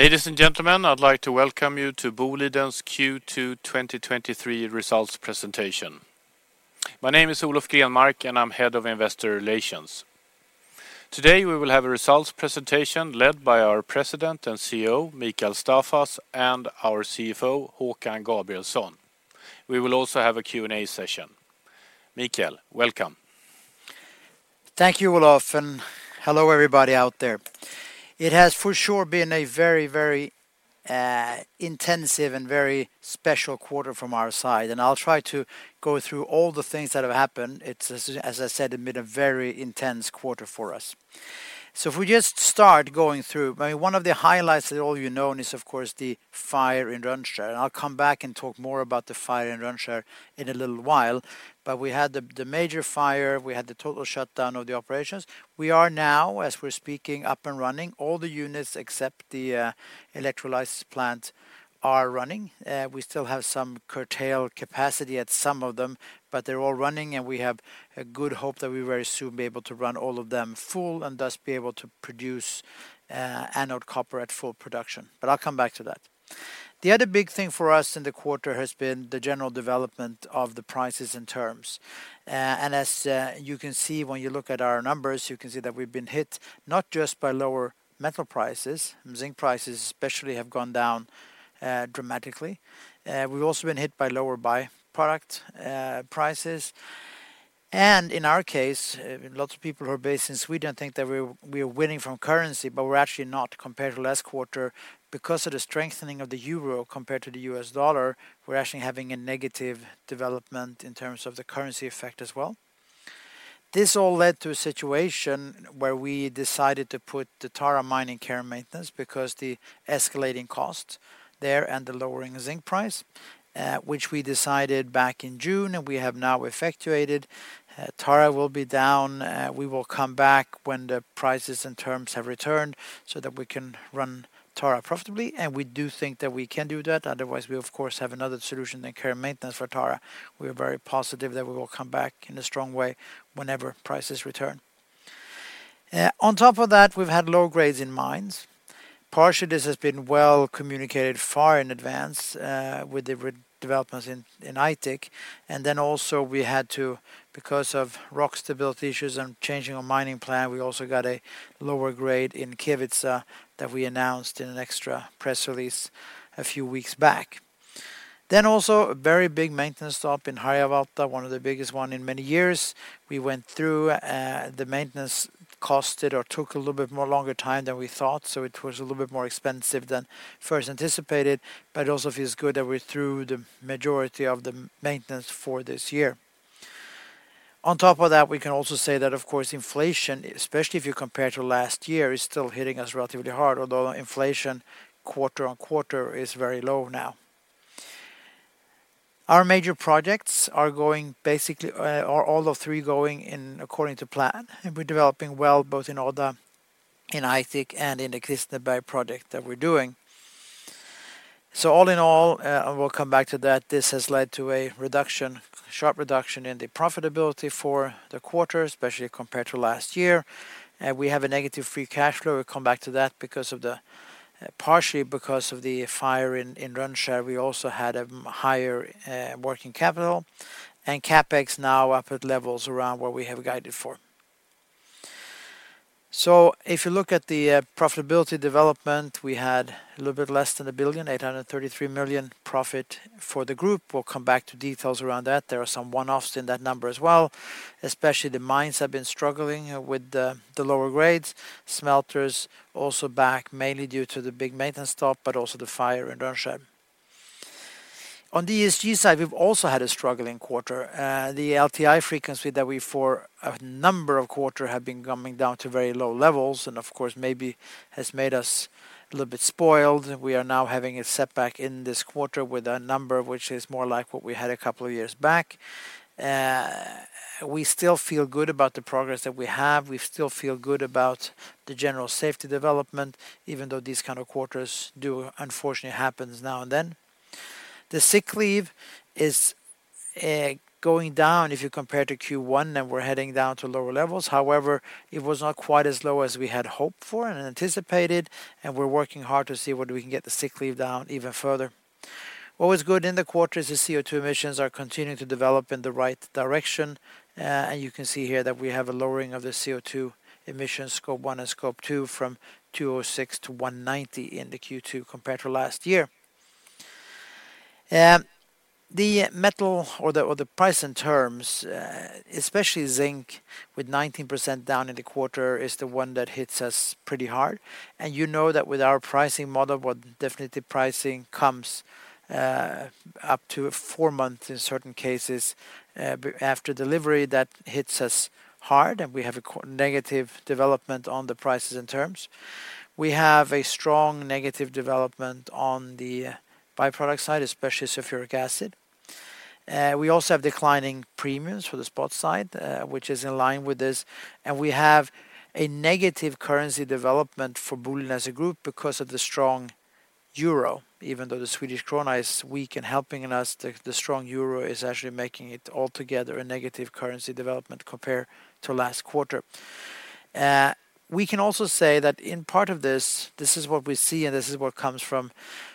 Ladies and gentlemen, I'd like to welcome you to Boliden's Q2 2023 results presentation. My name is Olof Grenmark, and I'm Head of Investor Relations. Today, we will have a results presentation led by our President and CEO, Mikael Staffas, and our CFO, Håkan Gabrielsson. We will also have a Q&A session. Mikael, welcome. Thank you, Olof. Hello, everybody out there. It has for sure been a very intensive and very special quarter from our side. I'll try to go through all the things that have happened. It's as I said, been a very intense quarter for us. If we just start going through, I mean, one of the highlights that all you know is, of course, the fire in Rönnskär. I'll come back and talk more about the fire in Rönnskär in a little while. We had the major fire, we had the total shutdown of the operations. We are now, as we're speaking, up and running. All the units except the electrolysis plant are running. We still have some curtailed capacity at some of them, but they're all running, and we have a good hope that we very soon be able to run all of them full and thus be able to produce anode copper at full production. I'll come back to that. The other big thing for us in the quarter has been the general development of the prices and terms. As you can see when you look at our numbers, you can see that we've been hit not just by lower metal prices, zinc prices especially have gone down dramatically. We've also been hit by lower by-product prices. In our case, lots of people who are based in Sweden think that we're winning from currency, but we're actually not compared to last quarter. Because of the strengthening of the euro compared to the U.S. dollar, we're actually having a negative development in terms of the currency effect as well. This all led to a situation where we decided to put the Tara mining care and maintenance because the escalating cost there and the lowering zinc price, which we decided back in June, and we have now effectuated. Tara will be down, we will come back when the prices and terms have returned so that we can run Tara profitably, and we do think that we can do that. Otherwise, we of course, have another solution than care and maintenance for Tara. We are very positive that we will come back in a strong way whenever prices return. On top of that, we've had low grades in mines. Partially, this has been well communicated far in advance, with the developments in Aitik. We had to, because of rock stability issues and changing our mining plan, we also got a lower grade in Kevitsa that we announced in an extra press release a few weeks back. A very big maintenance stop in Harjavalta, one of the biggest one in many years. We went through, the maintenance costed or took a little bit more longer time than we thought, so it was a little bit more expensive than first anticipated, but it also feels good that we're through the majority of the maintenance for this year. We can also say that, of course, inflation, especially if you compare to last year, is still hitting us relatively hard, although inflation quarter-on-quarter is very low now. Our major projects are going basically, are all the three going in according to plan, and we're developing well, both in Odda, in Aitik, and in the Kiiskenkallio project that we're doing. All in all, and we'll come back to that, this has led to a reduction, sharp reduction in the profitability for the quarter, especially compared to last year. We have a negative free cash flow. We'll come back to that because of the, partially because of the fire in Rönnskär, we also had a higher working capital and CapEx now up at levels around what we have guided for. If you look at the profitability development, we had a little bit less than 1 billion, 833 million profit for the group. We'll come back to details around that. There are some one-offs in that number as well. Especially, the mines have been struggling with the lower grades. Smelters also back, mainly due to the big maintenance stop, but also the fire in Rönnskär. On the ESG side, we've also had a struggling quarter. The LTI frequency that we for a number of quarter have been coming down to very low levels, and of course, maybe has made us a little bit spoiled. We are now having a setback in this quarter with a number which is more like what we had a couple of years back. We still feel good about the progress that we have. We still feel good about the general safety development, even though these kind of quarters do unfortunately happens now and then. The sick leave is going down if you compare to Q1, and we're heading down to lower levels. However, it was not quite as low as we had hoped for and anticipated, and we're working hard to see whether we can get the sick leave down even further. What was good in the quarter is the CO2 emissions are continuing to develop in the right direction, and you can see here that we have a lowering of the CO2 emission Scope 1 and Scope 2 from 206 to 190 in the Q2 compared to last year. The metal or the price and terms, especially zinc, with 19% down in the quarter, is the one that hits us pretty hard. You know that with our pricing model, what definitely pricing comes up to four months in certain cases after delivery, that hits us hard, and we have a negative development on the prices and terms. We have a strong negative development on the by-product side, especially sulfuric acid. We also have declining premiums for the spot side, which is in line with this, and we have a negative currency development for Boliden as a group because of the strong euro, even though the Swedish krona is weak and helping us, the strong euro is actually making it altogether a negative currency development compared to last quarter. We can also say that in part of this is what we see, and this is what comes from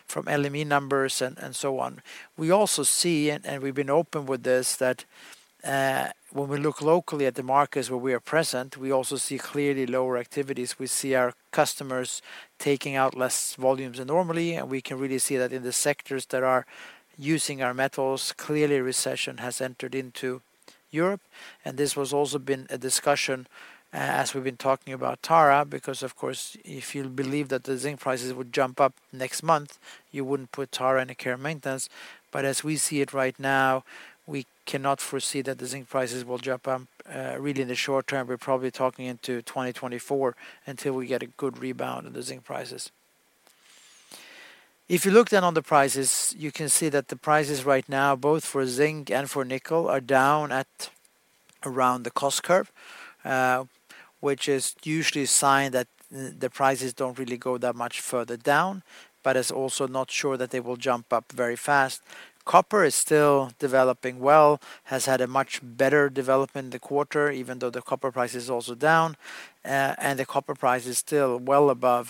LME numbers and so on. We also see, and we've been open with this, that, when we look locally at the markets where we are present, we also see clearly lower activities. We see our customers taking out less volumes than normally, we can really see that in the sectors that are using our metals, clearly, recession has entered into Europe, this was also been a discussion as we've been talking about Tara, because, of course, if you believe that the zinc prices would jump up next month, you wouldn't put Tara in a Care and Maintenance. As we see it right now, we cannot foresee that the zinc prices will jump up, really in the short term. We're probably talking into 2024 until we get a good rebound in the zinc prices. If you look down on the prices, you can see that the prices right now, both for zinc and for nickel, are down at around the cost curve, which is usually a sign that the prices don't really go that much further down, but it's also not sure that they will jump up very fast. Copper is still developing well, has had a much better development in the quarter, even though the copper price is also down, and the copper price is still well above,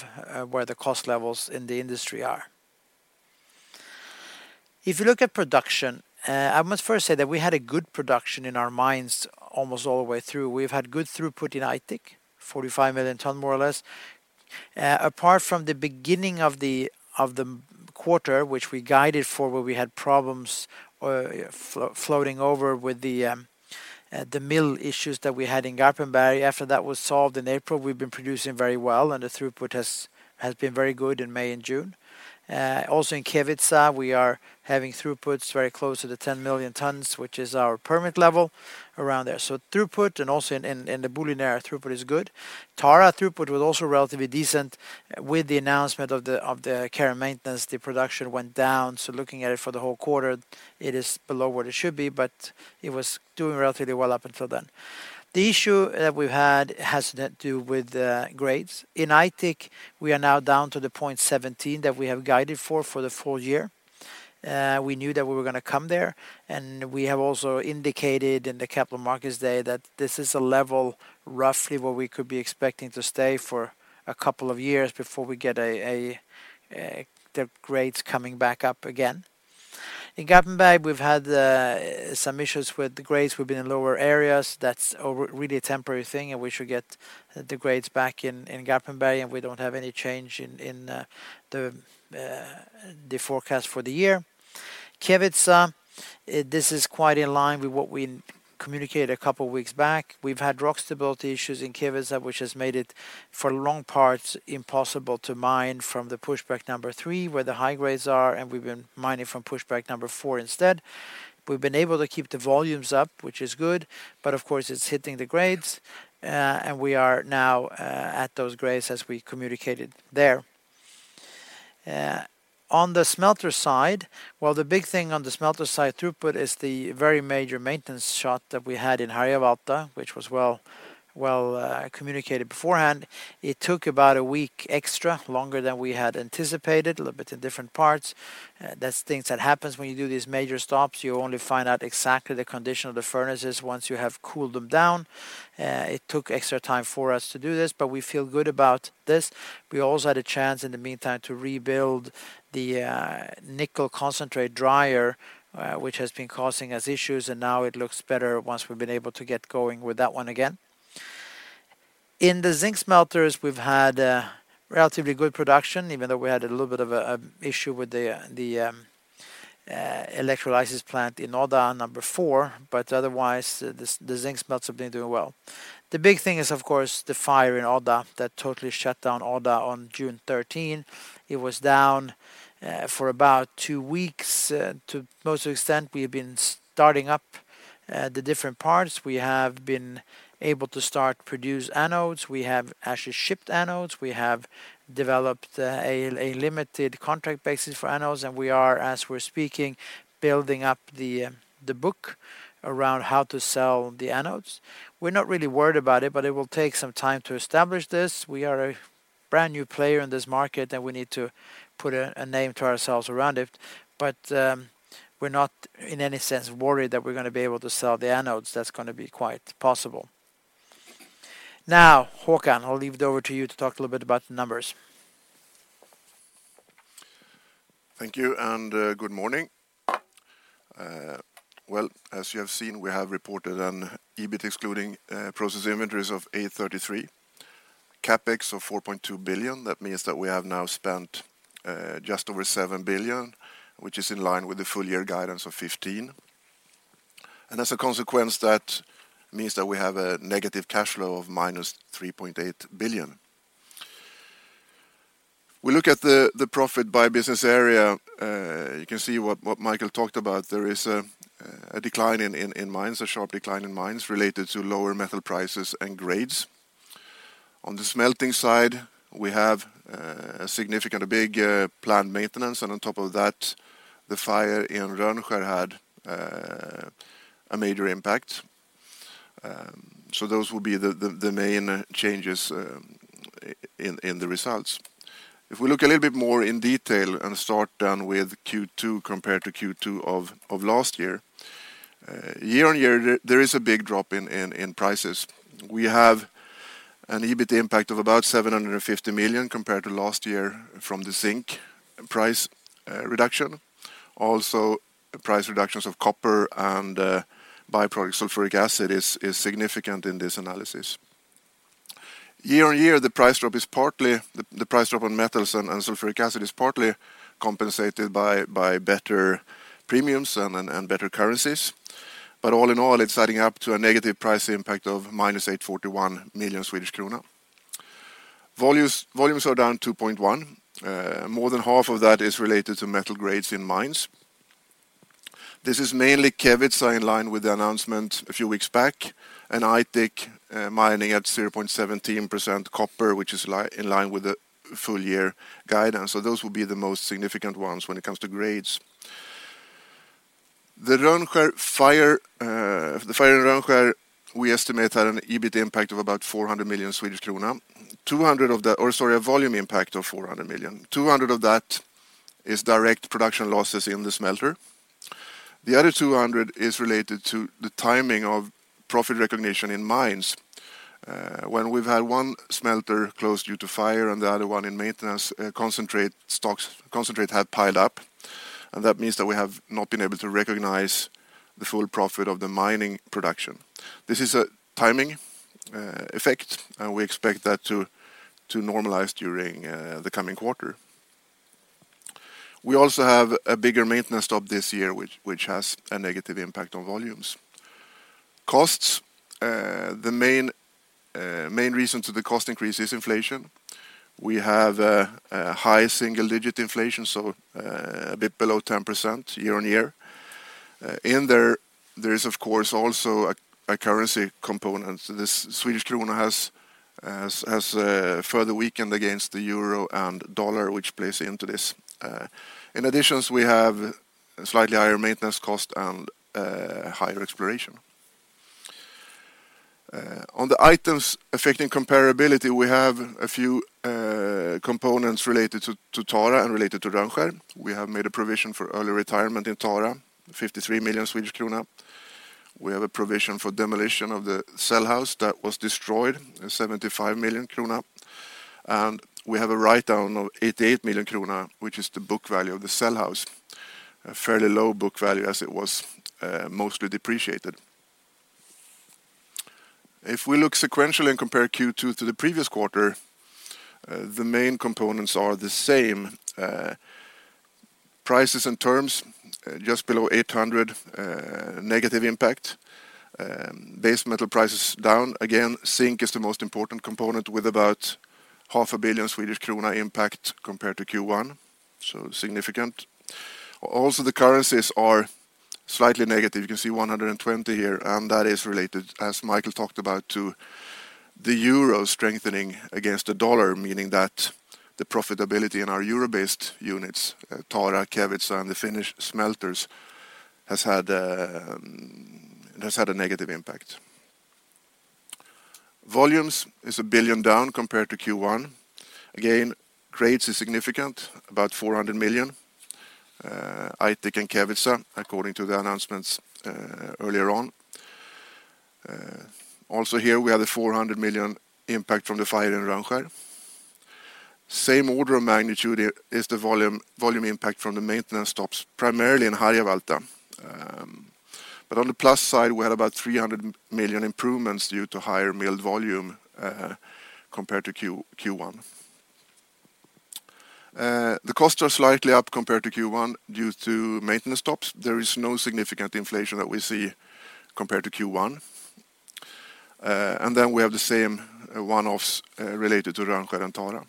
where the cost levels in the industry are. If you look at production, I must first say that we had a good production in our mines almost all the way through. We've had good throughput in Aitik, 45 million ton, more or less. Apart from the beginning of the quarter, which we guided for, where we had problems floating over with the mill issues that we had in Garpenberg. After that was solved in April, we've been producing very well, and the throughput has been very good in May and June. Also in Kevitsa, we are having throughputs very close to the 10 million tonnes, which is our permit level around there. Throughput and also in the Boliden Area, throughput is good. Tara throughput was also relatively decent. With the announcement of the care and maintenance, the production went down. Looking at it for the whole quarter, it is below what it should be, but it was doing relatively well up until then. The issue that we've had has to do with the grades. In Aitik, we are now down to 0.17 that we have guided for the full year. We knew that we were going to come there. We have also indicated in the capital markets day that this is a level roughly where we could be expecting to stay for a couple of years before we get the grades coming back up again. In Garpenberg, we've had some issues with the grades. We've been in lower areas. That's really a temporary thing. We should get the grades back in Garpenberg, and we don't have any change in the forecast for the year. Kevitsa, this is quite in line with what we communicated a couple of weeks back. We've had rock stability issues in Kevitsa, which has made it, for long parts, impossible to mine from the Pushback 3, where the high grades are. We've been mining from Pushback 4 instead. We've been able to keep the volumes up, which is good. Of course, it's hitting the grades, and we are now at those grades as we communicated there. On the smelter side, well, the big thing on the smelter side, throughput is the very major maintenance shot that we had in Harjavalta, which was well, communicated beforehand. It took about one week extra, longer than we had anticipated, a little bit in different parts. That's things that happens when you do these major stops. You only find out exactly the condition of the furnaces once you have cooled them down. It took extra time for us to do this. We feel good about this. We also had a chance, in the meantime, to rebuild the nickel concentrate dryer, which has been causing us issues, and now it looks better once we've been able to get going with that one again. In the zinc smelters, we've had a relatively good production, even though we had a little bit of an issue with the electrolysis plant in Odda number four, but otherwise, the zinc smelters have been doing well. The big thing is, of course, the fire in Odda that totally shut down Odda on June 13. It was down for about two weeks. To most extent, we've been starting up the different parts. We have been able to start produce anodes. We have actually shipped anodes. We have developed a limited contract basis for anodes, and we are, as we're speaking, building up the book around how to sell the anodes. We're not really worried about it. It will take some time to establish this. We are a brand-new player in this market, and we need to put a name to ourselves around it. We're not in any sense worried that we're going to be able to sell the anodes. That's going to be quite possible. Now, Håkan, I'll leave it over to you to talk a little bit about the numbers. Thank you, good morning. Well, as you have seen, we have reported an EBIT excluding process inventories of 833 million, CapEx of 4.2 billion. That means that we have now spent just over 7 billion, which is in line with the full year guidance of 15 billion. As a consequence, that means that we have a negative cash flow of -3.8 billion. We look at the profit by business area, you can see what Mikael talked about. There is a decline in mines, a sharp decline in mines related to lower metal prices and grades. On the smelting side, we have a significant, a big planned maintenance, and on top of that, the fire in Rönnskär had a major impact.... Those will be the main changes in the results. If we look a little bit more in detail and start down with Q2 compared to Q2 of last year-on-year, there is a big drop in prices. We have an EBIT impact of about 750 million compared to last year from the zinc price reduction. Also, price reductions of copper and byproduct sulfuric acid is significant in this analysis. Year-on-year, the price drop on metals and sulfuric acid is partly compensated by better premiums and better currencies. All in all, it's adding up to a negative price impact of minus 841 million Swedish krona. Volumes are down 2.1. More than half of that is related to metal grades in mines. This is mainly Kevitsa in line with the announcement a few weeks back, and Aitik, mining at 0.17% copper, which is in line with the full year guidance. Those will be the most significant ones when it comes to grades. The Rönnskär fire, the fire in Rönnskär, we estimate had an EBIT impact of about 400 million Swedish krona. Or sorry, a volume impact of 400 million. 200 of that is direct production losses in the smelter. The other 200 is related to the timing of profit recognition in mines. When we've had one smelter closed due to fire and the other one in maintenance, concentrate stocks, concentrate had piled up. That means that we have not been able to recognize the full profit of the mining production. This is a timing effect. We expect that to normalize during the coming quarter. We also have a bigger maintenance stop this year, which has a negative impact on volumes. Costs. The main reason to the cost increase is inflation. We have a high single-digit inflation, so a bit below 10% year-on-year. In there is, of course, also a currency component. The Swedish krona has further weakened against the euro and the dollar, which plays into this. In addition, we have slightly higher maintenance cost and higher exploration. On the items affecting comparability, we have a few components related to Tara and related to Rönnskär. We have made a provision for early retirement in Tara, 53 million Swedish krona. We have a provision for demolition of the cell house that was destroyed, 75 million krona. We have a write-down of 88 million krona, which is the book value of the cell house. A fairly low book value as it was mostly depreciated. If we look sequentially and compare Q2 to the previous quarter, the main components are the same. Prices and terms, just below 800 million negative impact. Base metal prices down. Again, zinc is the most important component with about 500 million Swedish krona impact compared to Q1, so significant. The currencies are slightly negative. You can see 120 here, and that is related, as Mikael Staffas talked about, to the euro strengthening against the U.S. dollar, meaning that the profitability in our euro-based units, Tara, Kevitsa, and the Finnish smelters, has had a negative impact. Volumes is 1 billion down compared to Q1. Again, grades is significant, about 400 million, Aitik and Kevitsa, according to the announcements earlier on. Also here, we have a 400 million impact from the fire in Rönnskär. Same order of magnitude is the volume impact from the maintenance stops, primarily in Harjavalta. But on the plus side, we had about 300 million improvements due to higher mill volume compared to Q1. The costs are slightly up compared to Q1 due to maintenance stops. There is no significant inflation that we see compared to Q1. And then we have the same one-offs related to Rönnskär and Tara.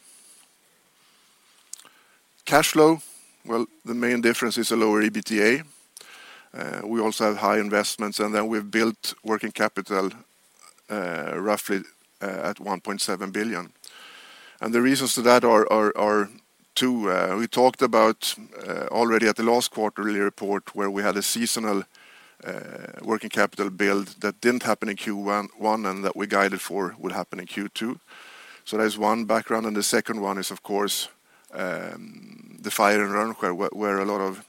Cash flow, well, the main difference is a lower EBITDA. We also have high investments, and then we've built working capital, roughly 1.7 billion SEK. The reasons to that are two: we talked about already at the last quarterly report, where we had a seasonal working capital build that didn't happen in Q1, one, and that we guided for would happen in Q2. That is one background, and the second one is, of course, the fire in Rönnskär, where a lot of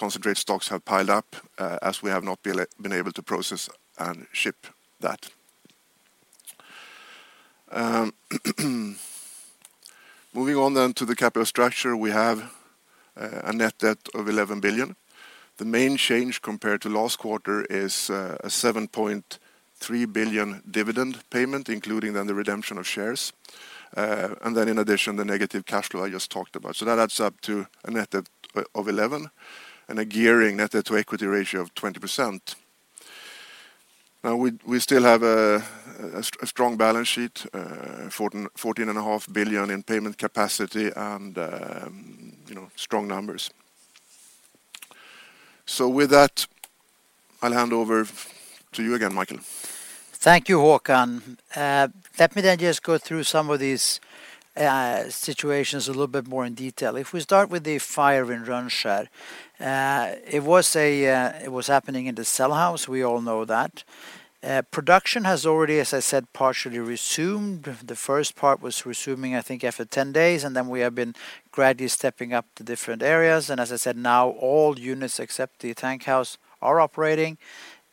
concentrate stocks have piled up as we have not been able to process and ship that. Moving on then to the capital structure, we have a net debt of 11 billion. The main change compared to last quarter is a 7.3 billion dividend payment, including then the redemption of shares, and then in addition, the negative cash flow I just talked about. That adds up to a net debt of 11 billion and a gearing net debt/equity ratio of 20%. Now, we still have a strong balance sheet, 14 billion-14.5 billion in payment capacity and, you know, strong numbers. With that, I'll hand over to you again, Mikael. Thank you, Håkan. Let me just go through some of these situations a little bit more in detail. We start with the fire in Rönnskär, it was happening in the cell house, we all know that. Production has already, as I said, partially resumed. The first part was resuming, I think, after 10 days, we have been gradually stepping up the different areas. As I said, now, all units except the tank house are operating.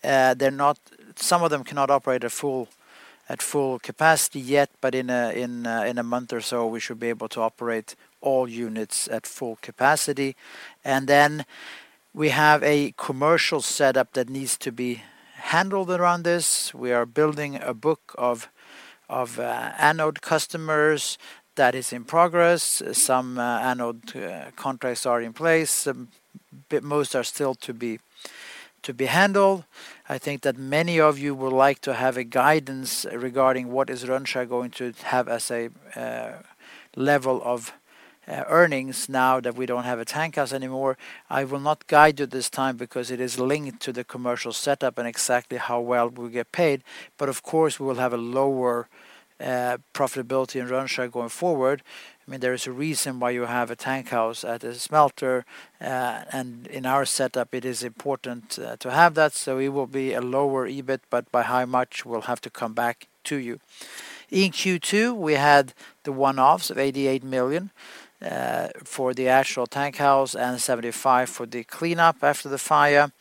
Some of them cannot operate at full capacity yet, but in a month or so, we should be able to operate all units at full capacity. We have a commercial setup that needs to be handled around this. We are building a book of anode customers that is in progress. Some anode contracts are in place, but most are still to be handled. I think that many of you would like to have a guidance regarding what is Rönnskär going to have as a level of earnings now that we don't have a tank house anymore. I will not guide you this time because it is linked to the commercial setup and exactly how well we get paid. Of course, we will have a lower profitability in Rönnskär going forward. I mean, there is a reason why you have a tank house at a smelter, and in our setup, it is important to have that, so it will be a lower EBIT, but by how much, we'll have to come back to you. In Q2, we had the one-offs of 88 million for the actual tank house and 75 million for the cleanup after the fire.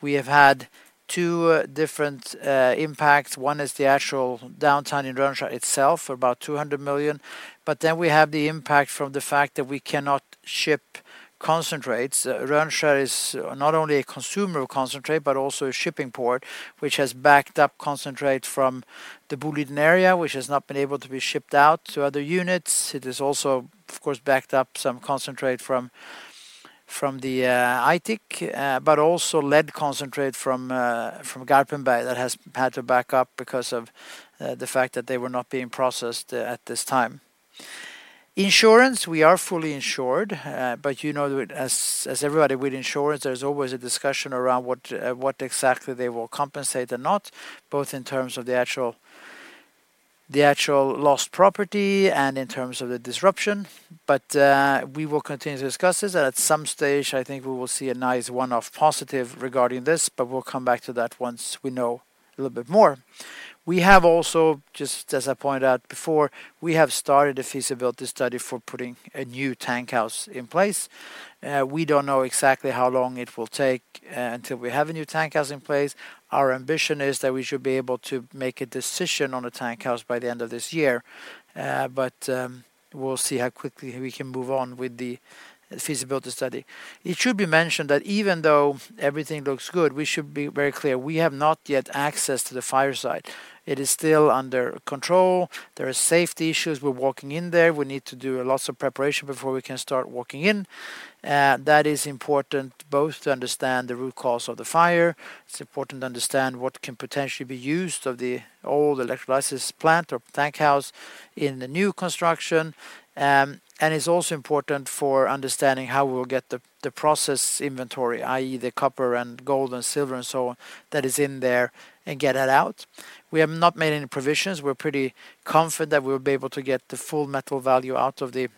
We have had two different impacts. One is the actual downtime in Rönnskär itself, for about 200 million, but then we have the impact from the fact that we cannot ship concentrates. Rönnskär is not only a consumer of concentrate, but also a shipping port, which has backed up concentrate from the Boliden Area, which has not been able to be shipped out to other units. It has also, of course, backed up some concentrate from the Aitik, but also lead concentrate from Garpenberg that has had to back up because of the fact that they were not being processed at this time. Insurance, we are fully insured, but you know that as everybody with insurance, there's always a discussion around what exactly they will compensate or not, both in terms of the actual lost property and in terms of the disruption. We will continue to discuss this, and at some stage, I think we will see a nice one-off positive regarding this, but we'll come back to that once we know a little bit more. We have also, just as I pointed out before, we have started a feasibility study for putting a new tank house in place. We don't know exactly how long it will take until we have a new tank house in place. Our ambition is that we should be able to make a decision on a tank house by the end of this year, but we'll see how quickly we can move on with the feasibility study. It should be mentioned that even though everything looks good, we should be very clear, we have not yet access to the fire site. It is still under control. There are safety issues with walking in there. We need to do lots of preparation before we can start walking in. That is important both to understand the root cause of the fire. It's important to understand what can potentially be used of the old electrolysis plant or tank house in the new construction. It's also important for understanding how we will get the process inventory, i.e., the copper and gold and silver and so on, that is in there, and get that out. We have not made any provisions. We're pretty confident that we'll be able to get the full metal value out of the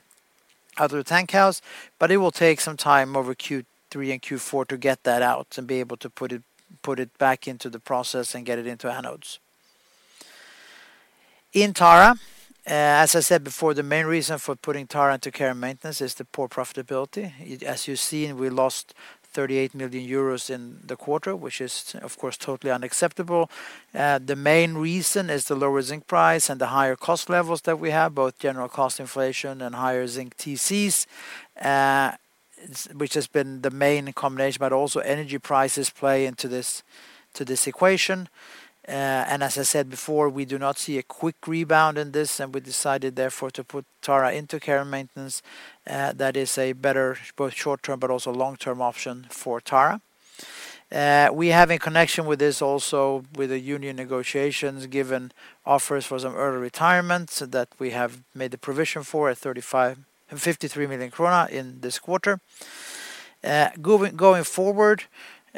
tank house, but it will take some time over Q3 and Q4 to get that out and be able to put it back into the process and get it into anodes. In Tara, as I said before, the main reason for putting Tara into care and maintenance is the poor profitability. As you've seen, we lost 38 million euros in the quarter, which is, of course, totally unacceptable. the lower zinc price and the higher cost levels that we have, both general cost inflation and higher zinc TCS, which has been the main combination, but also energy prices play into this equation. As I said before, we do not see a quick rebound in this, and we decided, therefore, to put Tara into care and maintenance. That is a better, both short-term but also long-term option for Tara. We have a connection with this also with the union negotiations, given offers for some early retirement that we have made the provision for at 53 million krona in this quarter. Going forward,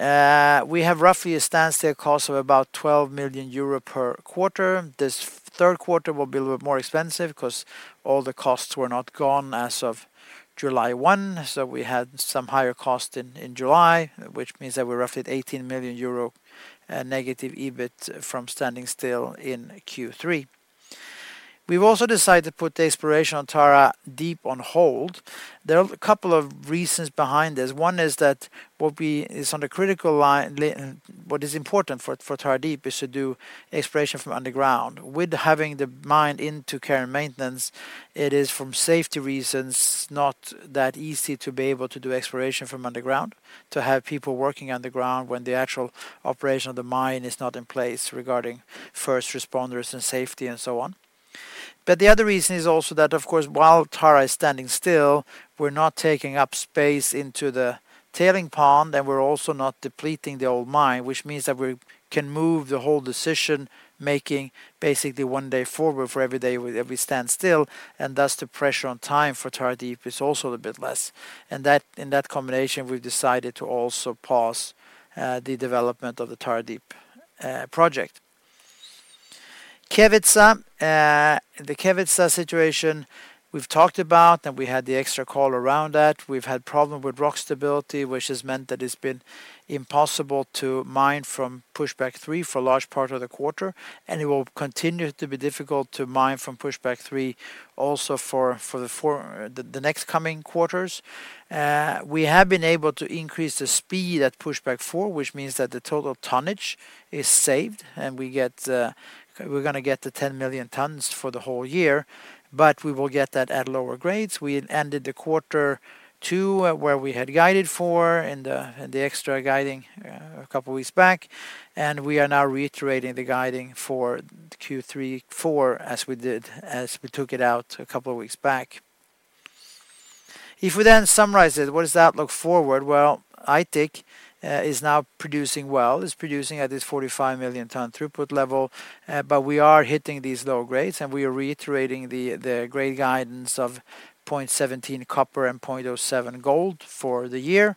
we have roughly a standstill cost of about 12 million euro per quarter This Q3 will be a little bit more expensive 'cause all the costs were not gone as of July 1. We had some higher cost in July, which means that we're roughly at 18 million euro negative EBIT from standing still in Q3. We've also decided to put the exploration on Tara Deep on hold. There are a couple of reasons behind this. One is that what is important for Tara Deep is to do exploration from underground. With having the mine into Care and Maintenance, it is from safety reasons, not that easy to be able to do exploration from underground, to have people working underground when the actual operation of the mine is not in place regarding first responders and safety and so on. The other reason is also that, of course, while Tara is standing still, we're not taking up space into the tailing pond, and we're also not depleting the old mine, which means that we can move the whole decision-making basically one day forward for every day we stand still, and thus, the pressure on time for Tara Deep is also a bit less. That, in that combination, we've decided to also pause the development of the Tara Deep project. Kevitsa, the Kevitsa situation we've talked about, and we had the extra call around that. We've had problem with rock stability, which has meant that it's been impossible to mine from Pushback 3 for a large part of the quarter, and it will continue to be difficult to mine from Pushback 3 also for the four next coming quarters. We have been able to increase the speed at Pushback 4, which means that the total tonnage is saved, and we get, we're gonna get the 10 million tonnes for the whole year, but we will get that at lower grades. We had ended the Q2, where we had guided for and the extra guiding a couple weeks back, and we are now reiterating the guiding for Q3, Q4 as we took it out a couple of weeks back. If we summarize it, what does that look forward? Well, Aitik is now producing well, is producing at this 45 million ton throughput level, but we are hitting these low grades, and we are reiterating the grade guidance of 0.17 copper and 0.07 gold for the year.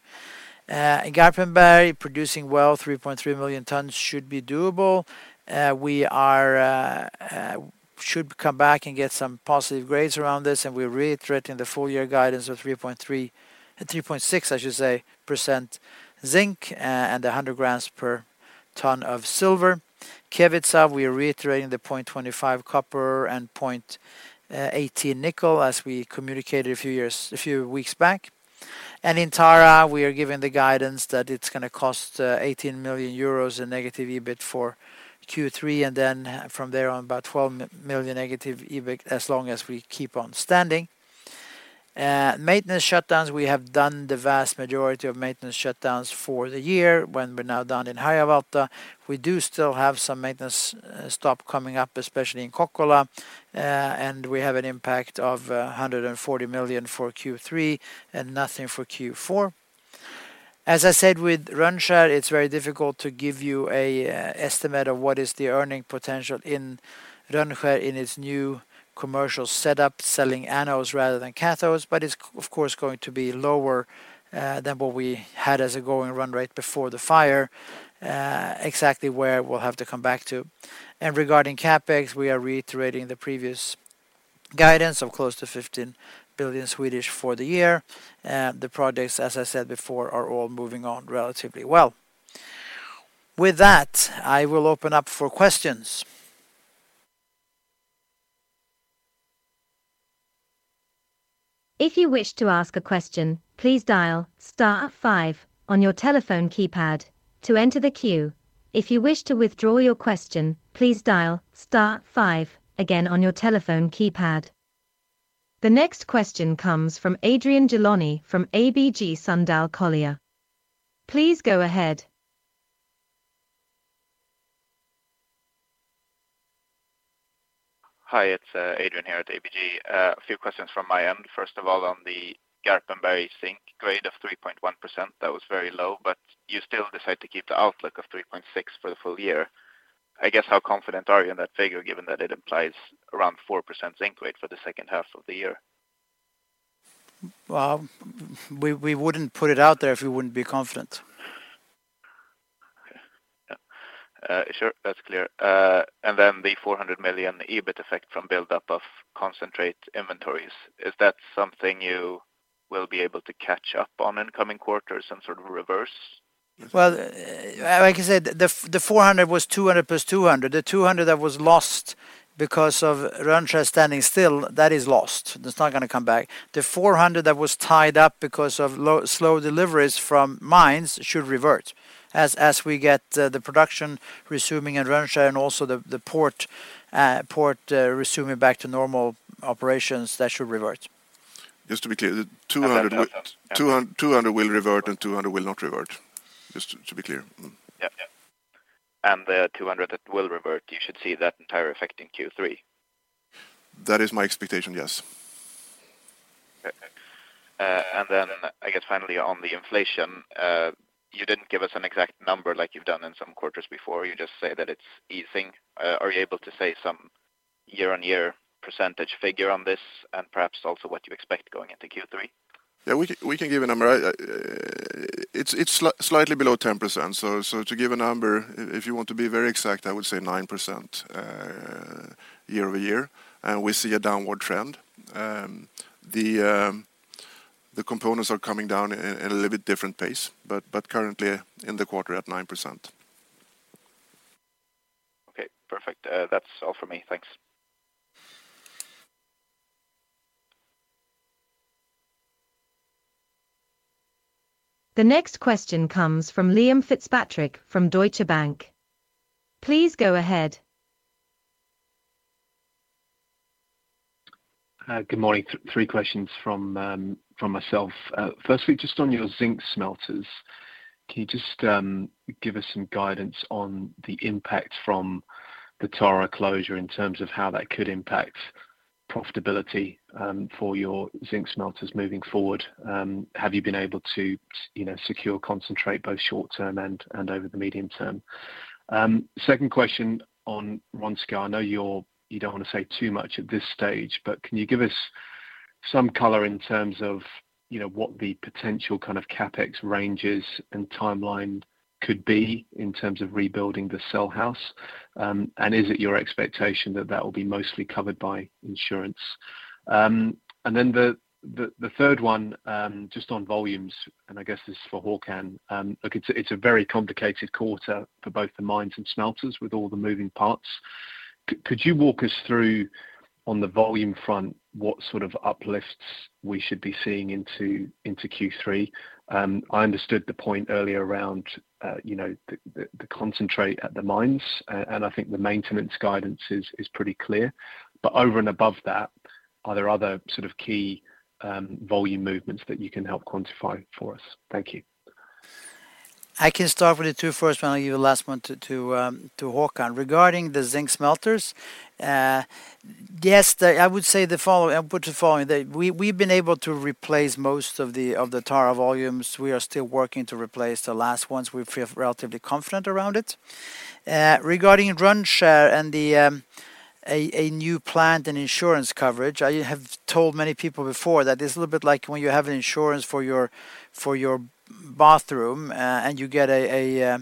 In Garpenberg, producing well 3.3 million tonnes should be doable. We are should come back and get some positive grades around this, and we're reiterating the full year guidance of 3.3-3.6, I should say, % zinc, and the 100 grams per tonne of silver. Kevitsa, we are reiterating the 0.25 copper and 0.18 nickel, as we communicated a few years, a few weeks back. In Tara, we are giving the guidance that it's gonna cost 18 million euros in negative EBIT for Q3, then from there on, about 12 million negative EBIT, as long as we keep on standing. Maintenance shutdowns, we have done the vast majority of maintenance shutdowns for the year when we're now done in Harjavalta. We do still have some maintenance stop coming up, especially in Kokkola, and we have an impact of 140 million for Q3 and nothing for Q4. As I said, with Rönnskär, it's very difficult to give you an estimate of what is the earning potential in Rönnskär in its new commercial setup, selling anodes rather than cathodes, but it's, of course, going to be lower than what we had as a going run rate before the fire. Exactly where we'll have to come back to. Regarding CapEx, we are reiterating the previous guidance of close to 15 billion for the year. The projects, as I said before, are all moving on relatively well. With that, I will open up for questions. If you wish to ask a question, please dial star five on your telephone keypad to enter the queue. If you wish to withdraw your question, please dial star five again on your telephone keypad. The next question comes from Adrian Gilani from ABG Sundal Collier. Please go ahead. Hi, it's Adrian here at ABG. A few questions from my end. First of all, on the Garpenberg zinc grade of 3.1%, that was very low, you still decide to keep the outlook of 3.6% for the full year. I guess, how confident are you in that figure, given that it implies around 4% zinc grade for the H2 of the year? Well, we wouldn't put it out there if we wouldn't be confident. Okay. Yeah. Sure, that's clear. Then the 400 million EBIT effect from buildup of concentrate inventories, is that something you will be able to catch up on in coming quarters, some sort of reverse? Well, like I said, the 400 was 200+ 200. The 200 that was lost because of Rönnskär standing still, that is lost. That's not gonna come back. The 400 that was tied up because of slow deliveries from mines should revert. As we get, the production resuming in Rönnskär and also the port, resuming back to normal operations, that should revert. Just to be clear, the 200. Understood. 200 will revert and 200 will not revert, just to be clear. Yep, yep. The 200 SEK that will revert, you should see that entire effect in Q3? That is my expectation, yes. Okay. I guess finally on the inflation, you didn't give us an exact number like you've done in some quarters before. You just say that it's easing. Are you able to say some year-on-year % figure on this, and perhaps also what you expect going into Q3? Yeah, we can give a number. It's slightly below 10%. To give a number, if you want to be very exact, I would say 9% year-over-year, and we see a downward trend. The components are coming down in a little bit different pace, but currently in the quarter at 9%. Okay, perfect. That's all for me. Thanks. The next question comes from Liam Fitzpatrick from Deutsche Bank. Please go ahead. Good morning. Three questions from myself. Firstly, just on your zinc smelters, can you just give us some guidance on the impact from the Tara closure in terms of how that could impact profitability for your zinc smelters moving forward? Have you been able to, you know, secure, concentrate, both short term and over the medium term? Second question on Rönnskär. I know you don't want to say too much at this stage, but can you give us some color in terms of, you know, what the potential kind of CapEx ranges and timeline could be in terms of rebuilding the cell house? Is it your expectation that that will be mostly covered by insurance? The third one, just on volumes, and I guess this is for Håkan. Look, it's a very complicated quarter for both the mines and smelters with all the moving parts. Could you walk us through, on the volume front, what sort of uplifts we should be seeing into Q3? I understood the point earlier around, you know, the concentrate at the mines, and I think the maintenance guidance is pretty clear. Over and above that, are there other sort of key volume movements that you can help quantify for us? Thank you. I can start with the two first, then I'll give the last one to Håkan. Regarding the zinc smelters, yes, I would say the following, I'll put the following: that we've been able to replace most of the Tara volumes. We are still working to replace the last ones. We feel relatively confident around it. Regarding Rönnskär and a new plant and insurance coverage, I have told many people before that it's a little bit like when you have insurance for your, for your bathroom, and you get a,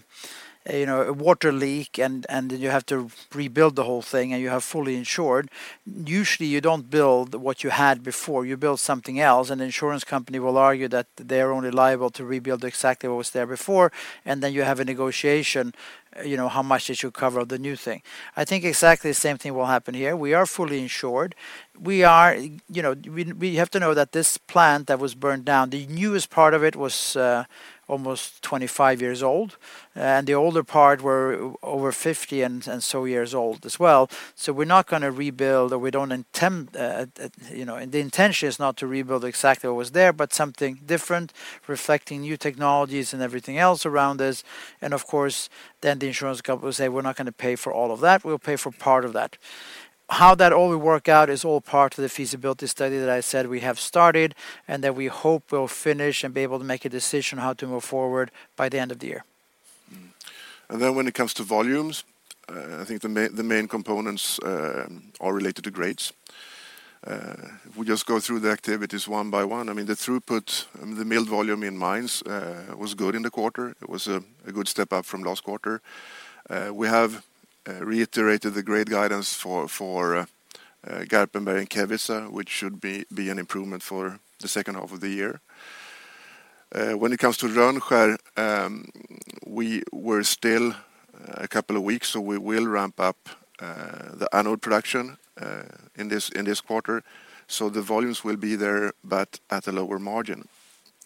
you know, a water leak, and you have to rebuild the whole thing, and you are fully insured. Usually, you don't build what you had before, you build something else. The insurance company will argue that they are only liable to rebuild exactly what was there before, then you have a negotiation, you know, how much they should cover the new thing. I think exactly the same thing will happen here. We are fully insured. We are, you know, we have to know that this plant that was burned down, the newest part of it was almost 25 years old. The older part were over 50 and so years old as well. We're not gonna rebuild, or we don't intend, you know, the intention is not to rebuild exactly what was there, but something different, reflecting new technologies and everything else around us. Of course, then the insurance company will say, "We're not gonna pay for all of that. We'll pay for part of that." How that all will work out is all part of the feasibility study that I said we have started, and that we hope we'll finish and be able to make a decision on how to move forward by the end of the year. When it comes to volumes, I think the main components are related to grades. If we just go through the activities one by one, I mean, the throughput and the milled volume in mines was good in the quarter. It was a good step up from last quarter. We have reiterated the grade guidance for Garpenberg and Kevitsa, which should be an improvement for the H2 of the year. When it comes to Rönnskär, we were still a couple of weeks, so we will ramp up the anode production in this, in this quarter. The volumes will be there, but at a lower margin.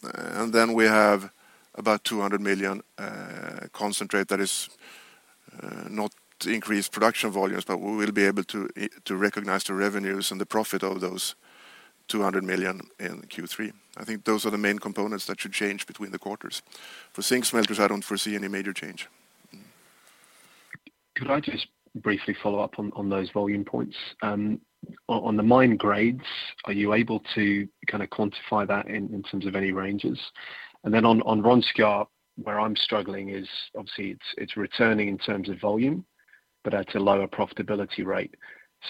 We have about 200 million concentrate that is not increased production volumes, but we will be able to recognize the revenues and the profit of those 200 million in Q3. I think those are the main components that should change between the quarters. For zinc smelters, I don't foresee any major change. Could I just briefly follow up on those volume points? On the mine grades, are you able to kind of quantify that in terms of any ranges? Then on Rönnskär, where I'm struggling is, obviously, it's returning in terms of volume, but at a lower profitability rate.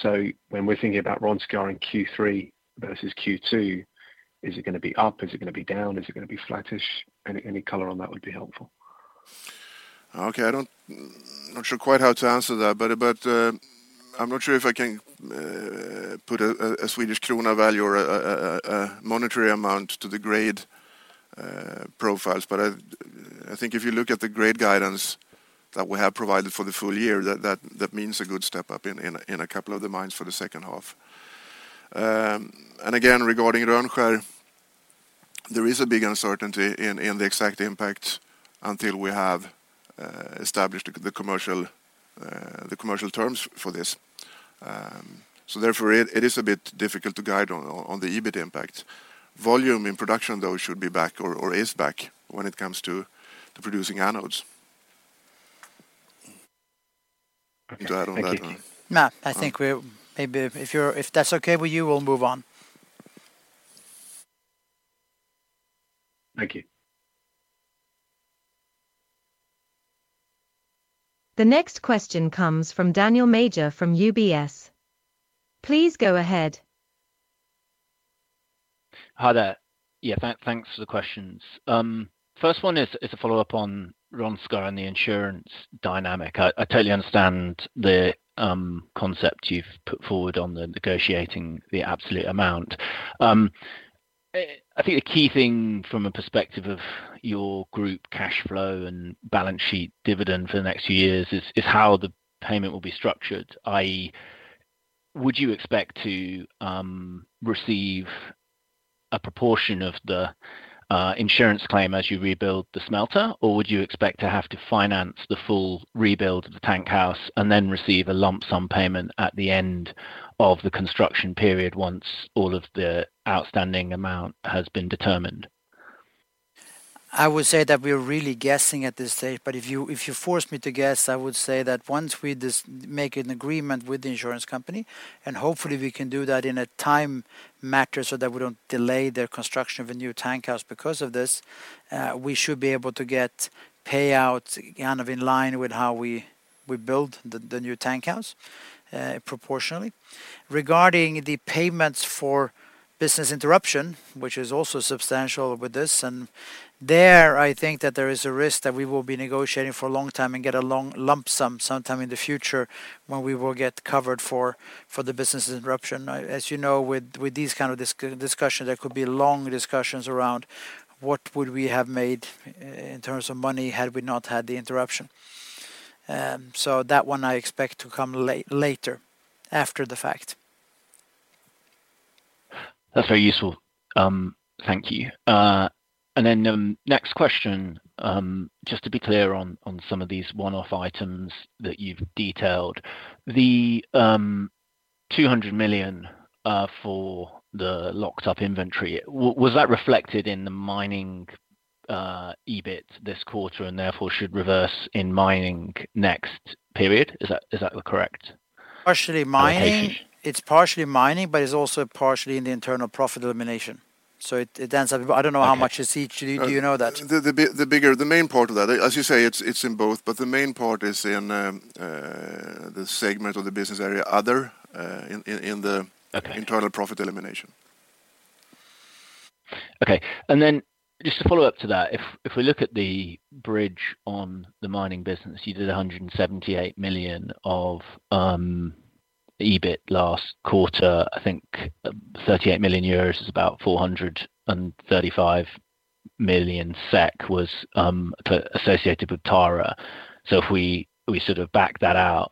When we're thinking about Rönnskär in Q3 versus Q2, is it gonna be up? Is it gonna be down? Is it gonna be flattish? Any color on that would be helpful. Okay. I'm not sure quite how to answer that, but, I'm not sure if I can put a Swedish krona value or a monetary amount to the grade profiles. I think if you look at the grade guidance that we have provided for the full year, that means a good step up in a couple of the mines for the H2. Again, regarding Rönnskär, there is a big uncertainty in the exact impact until we have established the commercial terms for this. Therefore, it is a bit difficult to guide on the EBIT impact. Volume in production, though, should be back or is back when it comes to producing anodes. Anything to add on that one? No, I think we're. Maybe if that's okay with you, we'll move on. Thank you. The next question comes from Daniel Major from UBS. Please go ahead. Hi there. Thanks for the questions. First one is a follow-up on Rönnskär and the insurance dynamic. I totally understand the concept you've put forward on the negotiating the absolute amount. I think the key thing from a perspective of your group cash flow and balance sheet dividend for the next few years is how the payment will be structured, i.e., would you expect to receive a proportion of the insurance claim as you rebuild the smelter? Or would you expect to have to finance the full rebuild of the tank house, and then receive a lump sum payment at the end of the construction period, once all of the outstanding amount has been determined? I would say that we're really guessing at this stage, but if you, if you force me to guess, I would say that once we make an agreement with the insurance company, and hopefully we can do that in a time matter so that we don't delay the construction of a new tank house because of this, we should be able to get payouts kind of in line with how we build the new tank house proportionally. Regarding the payments for business interruption, which is also substantial with this, there, I think that there is a risk that we will be negotiating for a long time and get a long lump sum sometime in the future, when we will get covered for the business interruption. As you know, with these kind of discussions, there could be long discussions around what would we have made, in terms of money, had we not had the interruption. That one I expect to come later, after the fact. That's very useful. Thank you. Next question, just to be clear on some of these one-off items that you've detailed. The 200 million for the locked up inventory, was that reflected in the mining EBIT this quarter, and therefore should reverse in mining next period? Is that correct? Partially mining. Okay. It's partially mining, but it's also partially in the internal profit elimination. It ends up... Okay. I don't know how much is each. Do you know that? The main part of that, as you say, it's in both, but the main part is in the segment or the business area, other, in the. Okay... internal profit elimination. Okay. Just to follow up to that, if we look at the bridge on the mining business, you did 178 million of EBIT last quarter. I think 38 million euros is about 435 million SEK was associated with Tara. If we sort of back that out,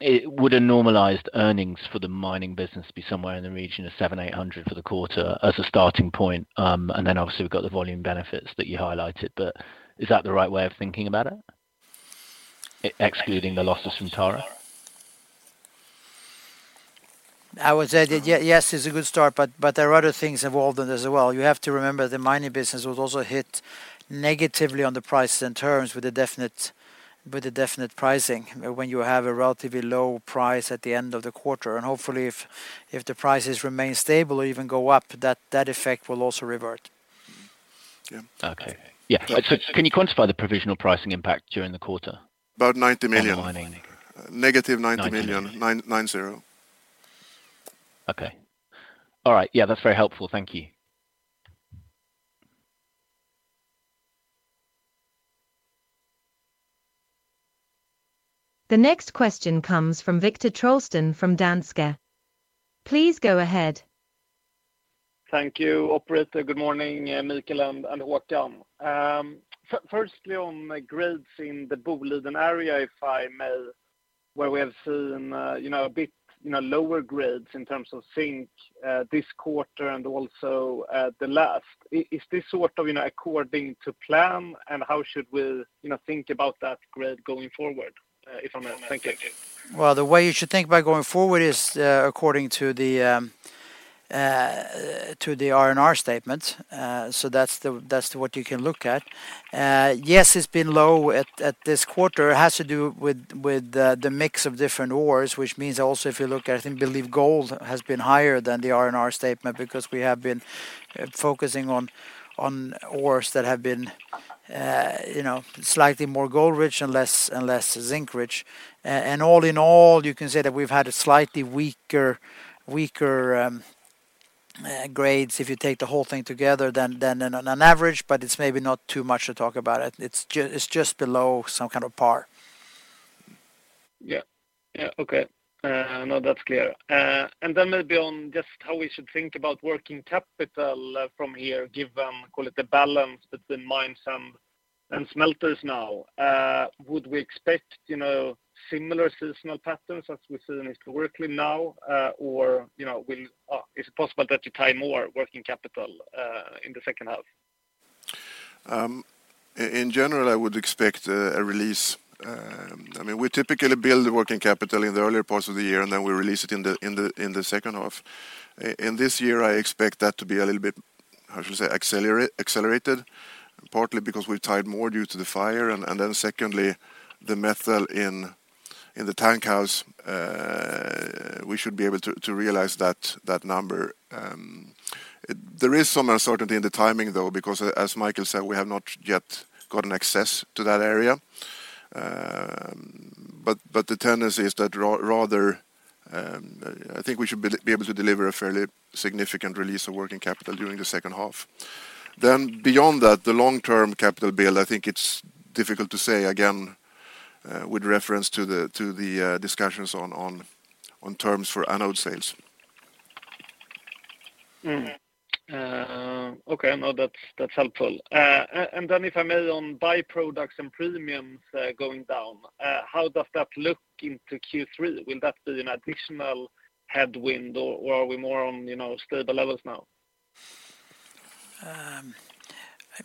it would a normalized earnings for the mining business be somewhere in the region of 700-800 million for the quarter as a starting point. Then, obviously, we've got the volume benefits that you highlighted. Is that the right way of thinking about it, excluding the losses from Tara? I would say that yes, it's a good start, but there are other things involved in it as well. You have to remember, the mining business was also hit negatively on the prices and terms with the provisional pricing, when you have a relatively low price at the end of the quarter. Hopefully if the prices remain stable or even go up, that effect will also revert. Yeah. Okay. Yeah. Yeah. Can you quantify the provisional pricing impact during the quarter? About 90 million. In mining. Negative 90 million. 90 million. 990. Okay. All right. Yeah, that's very helpful. Thank you. The next question comes from Viktor Trollsten from Danske. Please go ahead. Thank you, operator. Good morning, Mikael and Håkan. Firstly, on grades in the Boliden Area, if I may, where we have seen, you know, a bit, you know, lower grades in terms of zinc, this quarter and also, the last. Is this sort of, you know, according to plan, and how should we, you know, think about that grade going forward, if I may? Thank you. The way you should think about going forward is according to the R&R statement. That's what you can look at. Yes, it's been low at this quarter. It has to do with the mix of different ores, which means also, if you look at, I think, believe gold has been higher than the R&R statement because we have been focusing on ores that have been, you know, slightly more gold rich and less zinc rich. All in all, you can say that we've had a slightly weaker grades, if you take the whole thing together than on an average, it's just below some kind of par. Yeah. Yeah. Okay. Now that's clear. Maybe on just how we should think about working capital from here, given, call it, the balance between mines and smelters now. Would we expect, you know, similar seasonal patterns as we've seen historically now, or, you know, will is it possible that you tie more working capital in the H2? In general, I would expect a release. We typically build the working capital in the earlier parts of the year, and then we release it in the H2. In this year, I expect that to be a little bit, how should I say, accelerated, partly because we tied more due to the fire, and then secondly, the metal in the tank house, we should be able to realize that number. There is some uncertainty in the timing, though, because as Mikael said, we have not yet gotten access to that area. But the tendency is that rather, I think we should be able to deliver a fairly significant release of working capital during the H2. Beyond that, the long-term capital build, I think it's difficult to say, again, with reference to the discussions on terms for anode sales. Okay. No, that's helpful. Then if I may, on byproducts and premiums, going down, how does that look into Q3? Will that be an additional headwind, or are we more on, you know, stable levels now?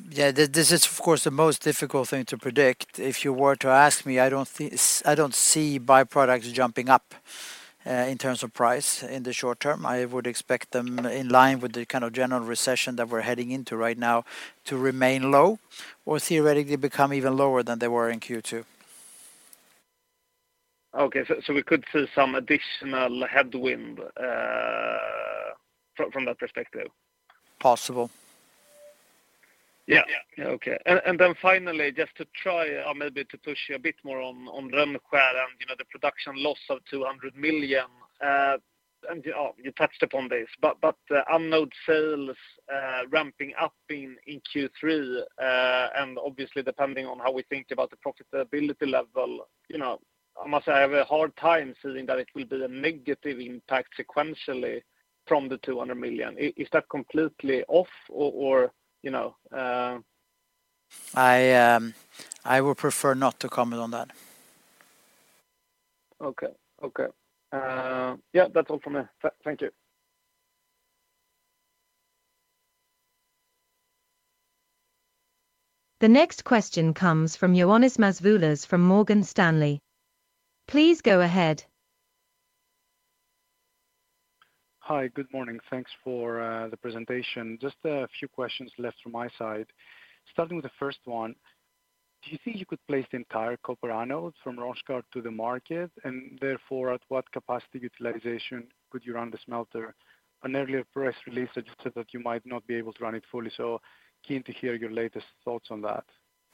Yeah, this is, of course, the most difficult thing to predict. If you were to ask me, I don't see byproducts jumping up in terms of price in the short term. I would expect them in line with the kind of general recession that we're heading into right now to remain low, or theoretically become even lower than they were in Q2. Okay, we could see some additional headwind, from that perspective? Possible. Yeah. Yeah. Yeah. Okay. Then finally, just to try or maybe to push you a bit more on Rönnskär and, you know, the production loss of 200 million, and you touched upon this, but anode sales ramping up in Q3, and obviously, depending on how we think about the profitability level, you know, I must say I have a hard time seeing that it will be a negative impact sequentially from the 200 million. Is that completely off or, you know? I would prefer not to comment on that. Okay. Okay. Yeah, that's all from me. Thank you. The next question comes from Ioannis Masvoulas from Morgan Stanley. Please go ahead. Hi, good morning. Thanks for the presentation. Just a few questions left from my side. Starting with the first one, do you think you could place the entire copper anodes from Rönnskär to the market? Therefore, at what capacity utilization could you run the smelter? On an earlier press release, you said that you might not be able to run it fully, so keen to hear your latest thoughts on that.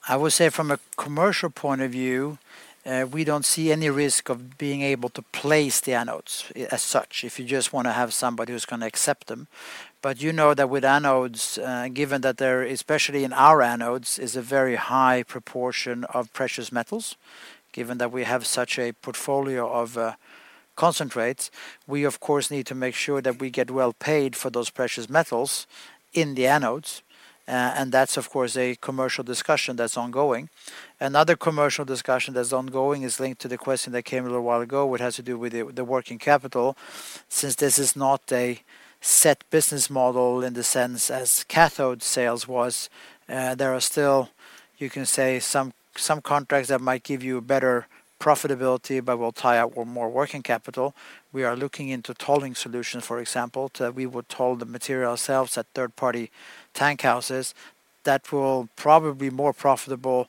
I would say from a commercial point of view, we don't see any risk of being able to place the anodes as such, if you just wanna have somebody who's gonna accept them. You know that with anodes, given that they're, especially in our anodes, is a very high proportion of precious metals, given that we have such a portfolio of concentrates, we, of course, need to make sure that we get well paid for those precious metals in the anodes. That's, of course, a commercial discussion that's ongoing. Another commercial discussion that's ongoing is linked to the question that came a little while ago, which has to do with the working capital. Since this is not a set business model in the sense as cathode sales was, there are still, you can say, some contracts that might give you a better profitability, but will tie up with more working capital. We are looking into tolling solutions, for example, that we would toll the material ourselves at third-party tank houses. That will probably be more profitable,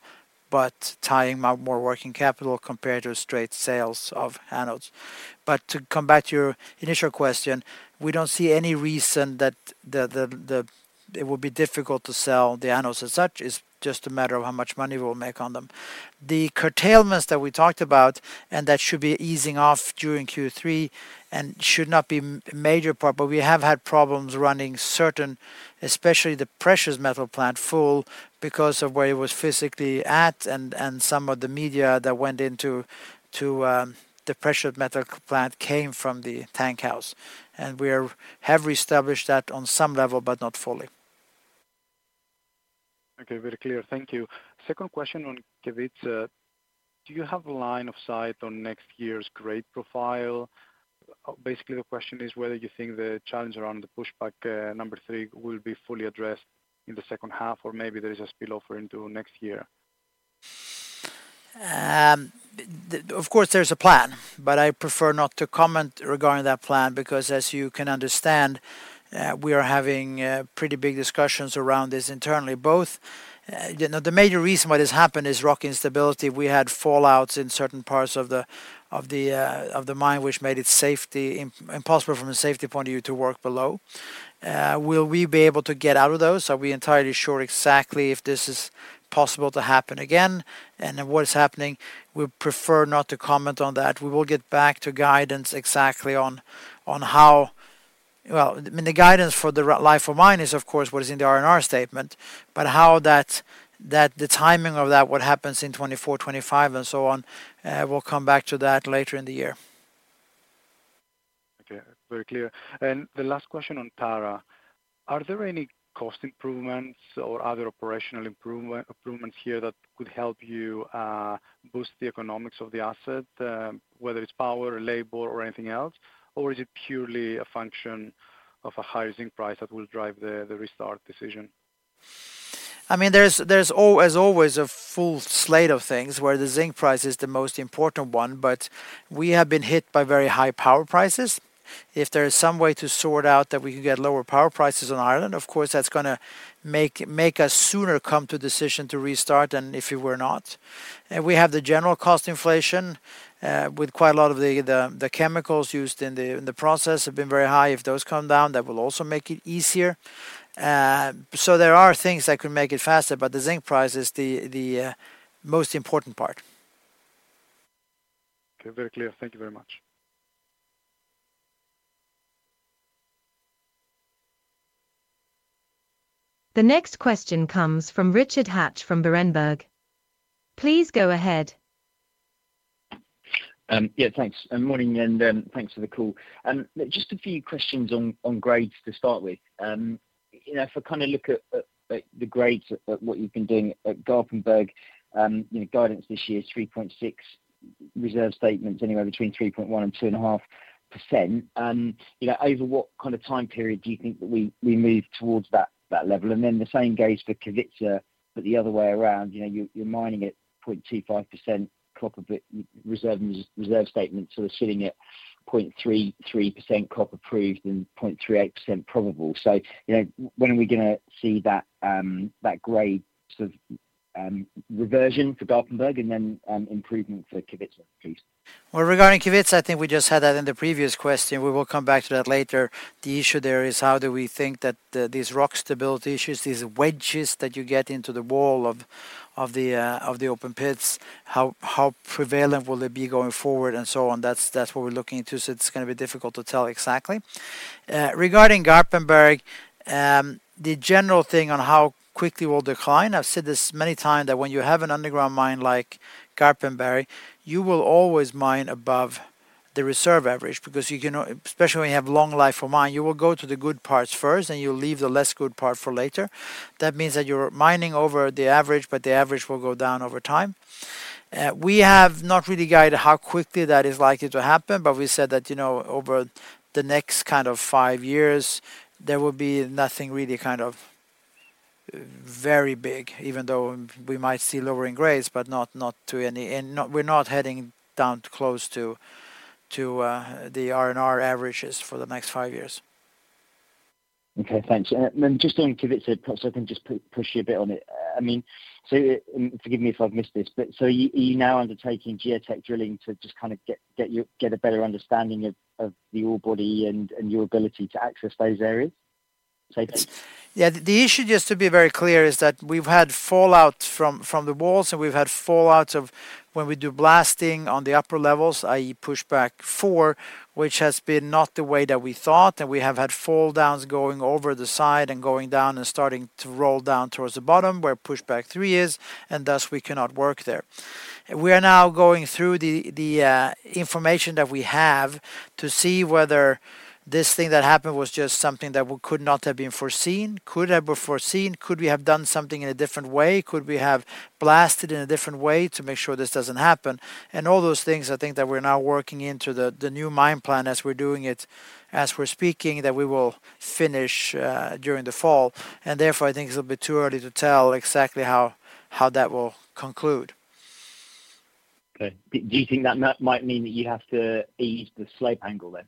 but tying up more working capital compared to straight sales of anodes. To come back to your initial question, we don't see any reason that it would be difficult to sell the anodes as such, it's just a matter of how much money we'll make on them. The curtailments that we talked about. That should be easing off during Q3 and should not be a major part. We have had problems running certain, especially the precious metal plant, full because of where it was physically at. Some of the media that went into the precious metal plant came from the tank house. We have reestablished that on some level, but not fully. Okay, very clear. Thank you. Second question on Kevitsa. Do you have a line of sight on next year's grade profile? Basically, the question is whether you think the challenge around the Pushback 3 will be fully addressed in the H2, or maybe there is a spillover into next year? Of course, there's a plan, but I prefer not to comment regarding that plan because, as you can understand, we are having pretty big discussions around this internally. You know, the major reason why this happened is rock instability. We had fallouts in certain parts of the mine, which made it impossible from a safety point of view to work below. Will we be able to get out of those? Are we entirely sure exactly if this is possible to happen again? What is happening, we prefer not to comment on that. We will get back to guidance exactly on how... Well, I mean, the guidance for the life of mine is, of course, what is in the R&R statement, but how that, the timing of that, what happens in 2024, 2025, and so on, we'll come back to that later in the year. Okay. Very clear. The last question on Tara: Are there any cost improvements or other operational improvements here that could help you boost the economics of the asset, whether it's power, labor, or anything else? Or is it purely a function of a higher zinc price that will drive the restart decision? I mean, there's as always, a full slate of things where the zinc price is the most important one. We have been hit by very high power prices. If there is some way to sort out that we can get lower power prices on Ireland, of course, that's gonna make us sooner come to a decision to restart than if we were not. We have the general cost inflation with quite a lot of the chemicals used in the process have been very high. If those come down, that will also make it easier. There are things that could make it faster, but the zinc price is the most important part. Okay. Very clear. Thank you very much. The next question comes from Richard Hatch from Berenberg. Please go ahead. Yeah, thanks, morning, thanks for the call. Just a few questions on grades to start with. You know, if I kinda look at the grades at what you've been doing at Garpenberg, you know, guidance this year is 3.6, reserve statements anywhere between 3.1 and 2.5%. You know, over what kind of time period do you think that we move towards that level? The same goes for Kevitsa, but the other way around. You know, you're mining at 0.25% copper reserve statement, so we're sitting at 0.33% copper approved and 0.38% probable. You know, when are we gonna see that grade sort of, reversion for Garpenberg and then, improvement for Kevitsa, please? Regarding Kevitsa, I think we just had that in the previous question. We will come back to that later. The issue there is how do we think that these rock stability issues, these wedges that you get into the wall of the open pits, how prevalent will they be going forward, and so on? That's what we're looking into, so it's gonna be difficult to tell exactly. Regarding Garpenberg, the general thing on how quickly we'll decline, I've said this many times, that when you have an underground mine like Garpenberg, you will always mine above the reserve average because you can. Especially when you have long life for mine, you will go to the good parts first, and you'll leave the less good part for later. That means that you're mining over the average. The average will go down over time. We have not really guided how quickly that is likely to happen. We said that, you know, over the next kind of five years, there will be nothing really kind of very big, even though we might see lowering grades, but not to any, we're not heading down close to the R&R averages for the next five years. Okay, thanks. Just on Kevitsa, if I can just push you a bit on it. I mean, forgive me if I've missed this, you're now undertaking geotech drilling to just kind of get a better understanding of the ore body and your ability to access those areas? Yeah. The issue, just to be very clear, is that we've had fallouts from the walls, we've had fallouts of when we do blasting on the upper levels, i.e., Pushback 4, which has been not the way that we thought, we have had fall downs going over the side and going down and starting to roll down towards the bottom, where Pushback 3 is, thus, we cannot work there. We are now going through the information that we have to see whether this thing that happened was just something that we could not have been foreseen, could have been foreseen, could we have done something in a different way? Could we have blasted in a different way to make sure this doesn't happen? All those things, I think, that we're now working into the new mine plan as we're doing it, as we're speaking, that we will finish during the fall, and therefore, I think it's a bit too early to tell exactly how that will conclude. Okay. Do you think that might mean that you have to ease the slope angle, then?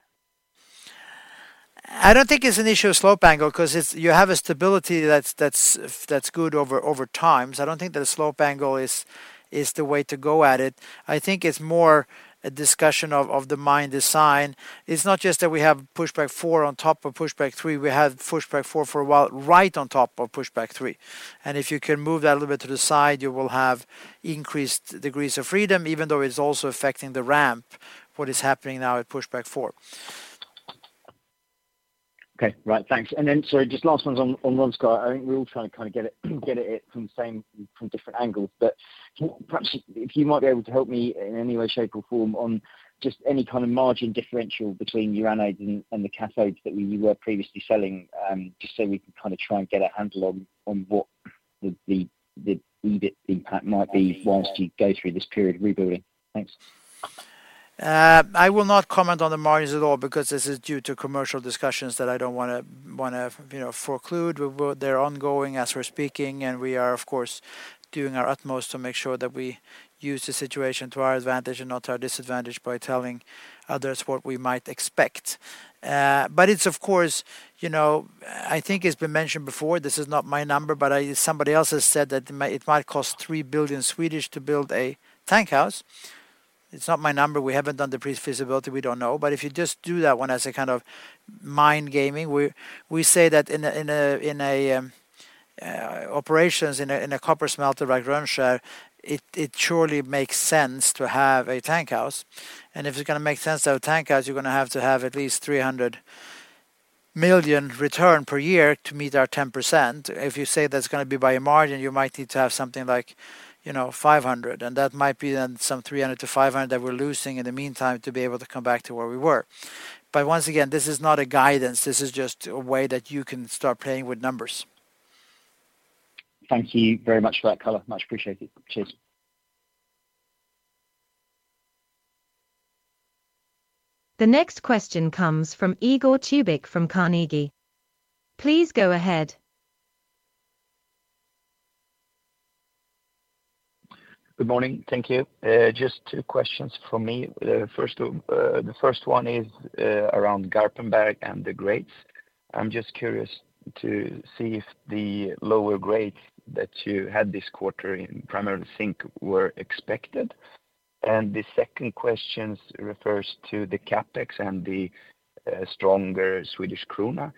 I don't think it's an issue of slope angle 'cause you have a stability that's good over time. I don't think that the slope angle is the way to go at it. I think it's more a discussion of the mine design. It's not just that we have Pushback 4 on top of Pushback 3, we had Pushback 4 for a while right on top of Pushback 3. If you can move that a little bit to the side, you will have increased degrees of freedom, even though it's also affecting the ramp, what is happening now at Pushback 4. Right. Thanks. Just last one on Rönnskär. I think we're all trying to kind of get it, get at it from the same, from different angles, but perhaps if you might be able to help me in any way, shape, or form on just any kind of margin differential between your anodes and the cathodes that we were previously selling, just so we can kind of try and get a handle on what the EBIT impact might be whilst you go through this period of rebuilding. Thanks. I will not comment on the margins at all because this is due to commercial discussions that I don't wanna, you know, preclude. They're ongoing as we're speaking, and we are, of course, doing our utmost to make sure that we use the situation to our advantage and not to our disadvantage by telling others what we might expect. It's, of course, you know, I think it's been mentioned before, this is not my number, but somebody else has said that it might cost 3 billion SEK to build a tank house. It's not my number. We haven't done the pre-feasibility. We don't know. If you just do that one as a kind of mind gaming, we say that in a operations, in a copper smelter like Rönnskär, it surely makes sense to have a tank house, and if it's gonna make sense to have a tank house, you're gonna have to have at least 300 million return per year to meet our 10%. If you say that's gonna be by a margin, you might need to have something like, you know, 500 million, and that might be then some 300 million-500 million that we're losing in the meantime to be able to come back to where we were. Once again, this is not a guidance. This is just a way that you can start playing with numbers. Thank you very much for that color. Much appreciated. Cheers. The next question comes from Igor Tubic from Carnegie. Please go ahead. Good morning. Thank you. Just two questions from me. The first one is around Garpenberg and the grades. I'm just curious to see if the lower grades that you had this quarter in primarily zinc were expected. The second question refers to the CapEx and the stronger Swedish krona.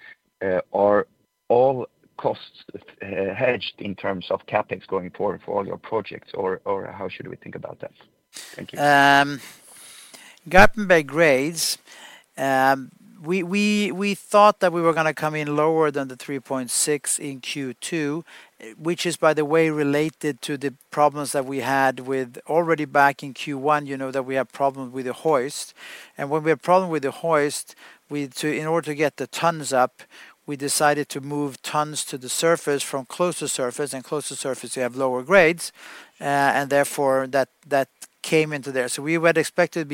Are all costs hedged in terms of CapEx going forward for all your projects, or how should we think about that? Thank you. Garpenberg grades, we thought that we were gonna come in lower than the 3.6 in Q2, which is, by the way, related to the problems that we had with already back in Q1, you know, that we had problems with the hoist. When we had problem with the hoist, in order to get the tons up, we decided to move tons to the surface from closer surface, and closer surface we have lower grades, and therefore, that came into there. We would expect it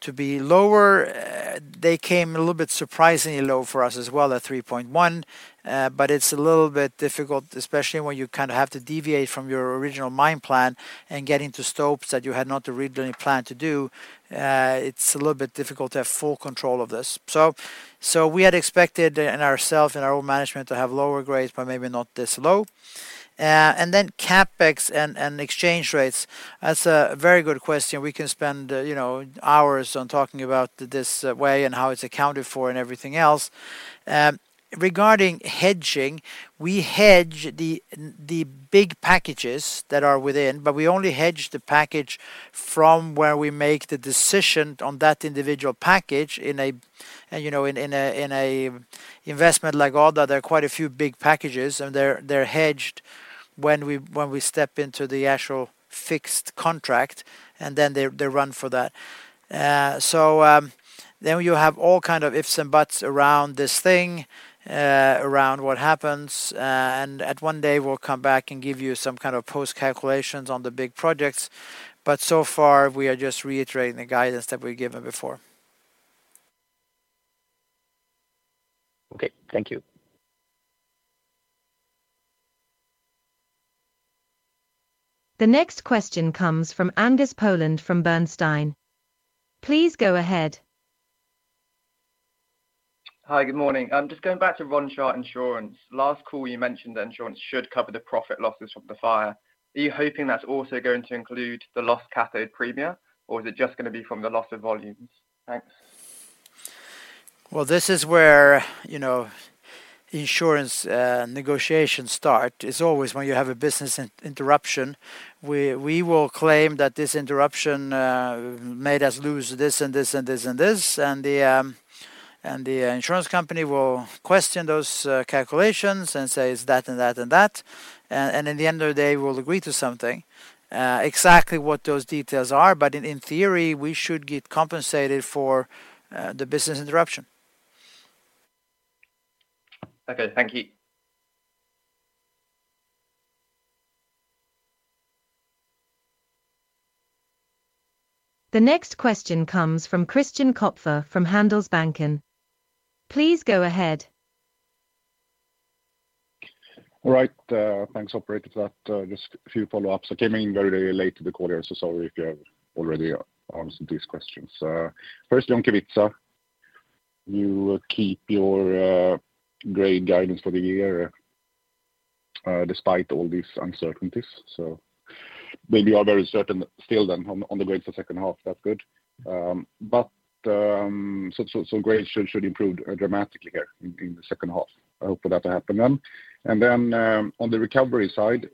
to be lower. They came a little bit surprisingly low for us as well, at 3.1, but it's a little bit difficult, especially when you kind of have to deviate from your original mine plan and get into stopes that you had not originally planned to do. It's a little bit difficult to have full control of this. We had expected in ourself, in our own management, to have lower grades, but maybe not this low. CapEx and exchange rates, that's a very good question. We can spend, you know, hours on talking about this way and how it's accounted for and everything else. Regarding hedging, we hedge the big packages that are within, but we only hedge the package from where we make the decision on that individual package You know, in a investment like all that, there are quite a few big packages, and they're hedged when we step into the actual fixed contract, and then they run for that. Then you have all kind of ifs and buts around this thing, around what happens. At one day, we'll come back and give you some kind of post calculations on the big projects, so far, we are just reiterating the guidance that we've given before. Okay, thank you. The next question comes from Angus Poland from Bernstein. Please go ahead. Hi, good morning. Just going back to Rönnskär Insurance. Last call, you mentioned the insurance should cover the profit losses from the fire. Are you hoping that's also going to include the lost cathode premia, or is it just gonna be from the loss of volumes? Thanks. Well, this is where, you know, insurance negotiations start. It's always when you have a business interruption, we will claim that this interruption made us lose this and this and this and this, and the insurance company will question those calculations and say, "It's that and that and that," and in the end of the day, we'll agree to something. Exactly what those details are, but in theory, we should get compensated for the business interruption. Okay, thank you. The next question comes from Christian Kopfer from Handelsbanken. Please go ahead. All right, thanks, operator, for that. Just a few follow-ups. I came in very, very late to the call here, so sorry if you have already answered these questions. First, on Kevitsa, you keep your grade guidance for the year, despite all these uncertainties, so maybe you are very certain still then on the grades for the H2, that's good. So grades should improve dramatically here in the H2. I hope for that to happen then. On the recovery side,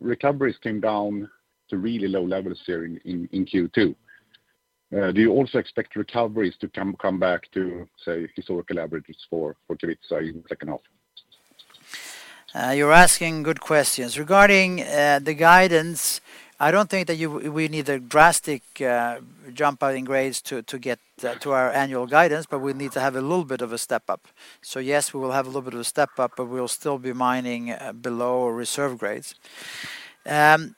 recoveries came down to really low levels here in Q2. Do you also expect recoveries to come back to, say, historical averages for Kevitsa in the H2? You're asking good questions. Regarding the guidance, I don't think that we need a drastic jump in grades to get to our annual guidance, but we need to have a little bit of a step-up. Yes, we will have a little bit of a step-up, but we'll still be mining below our reserve grades. The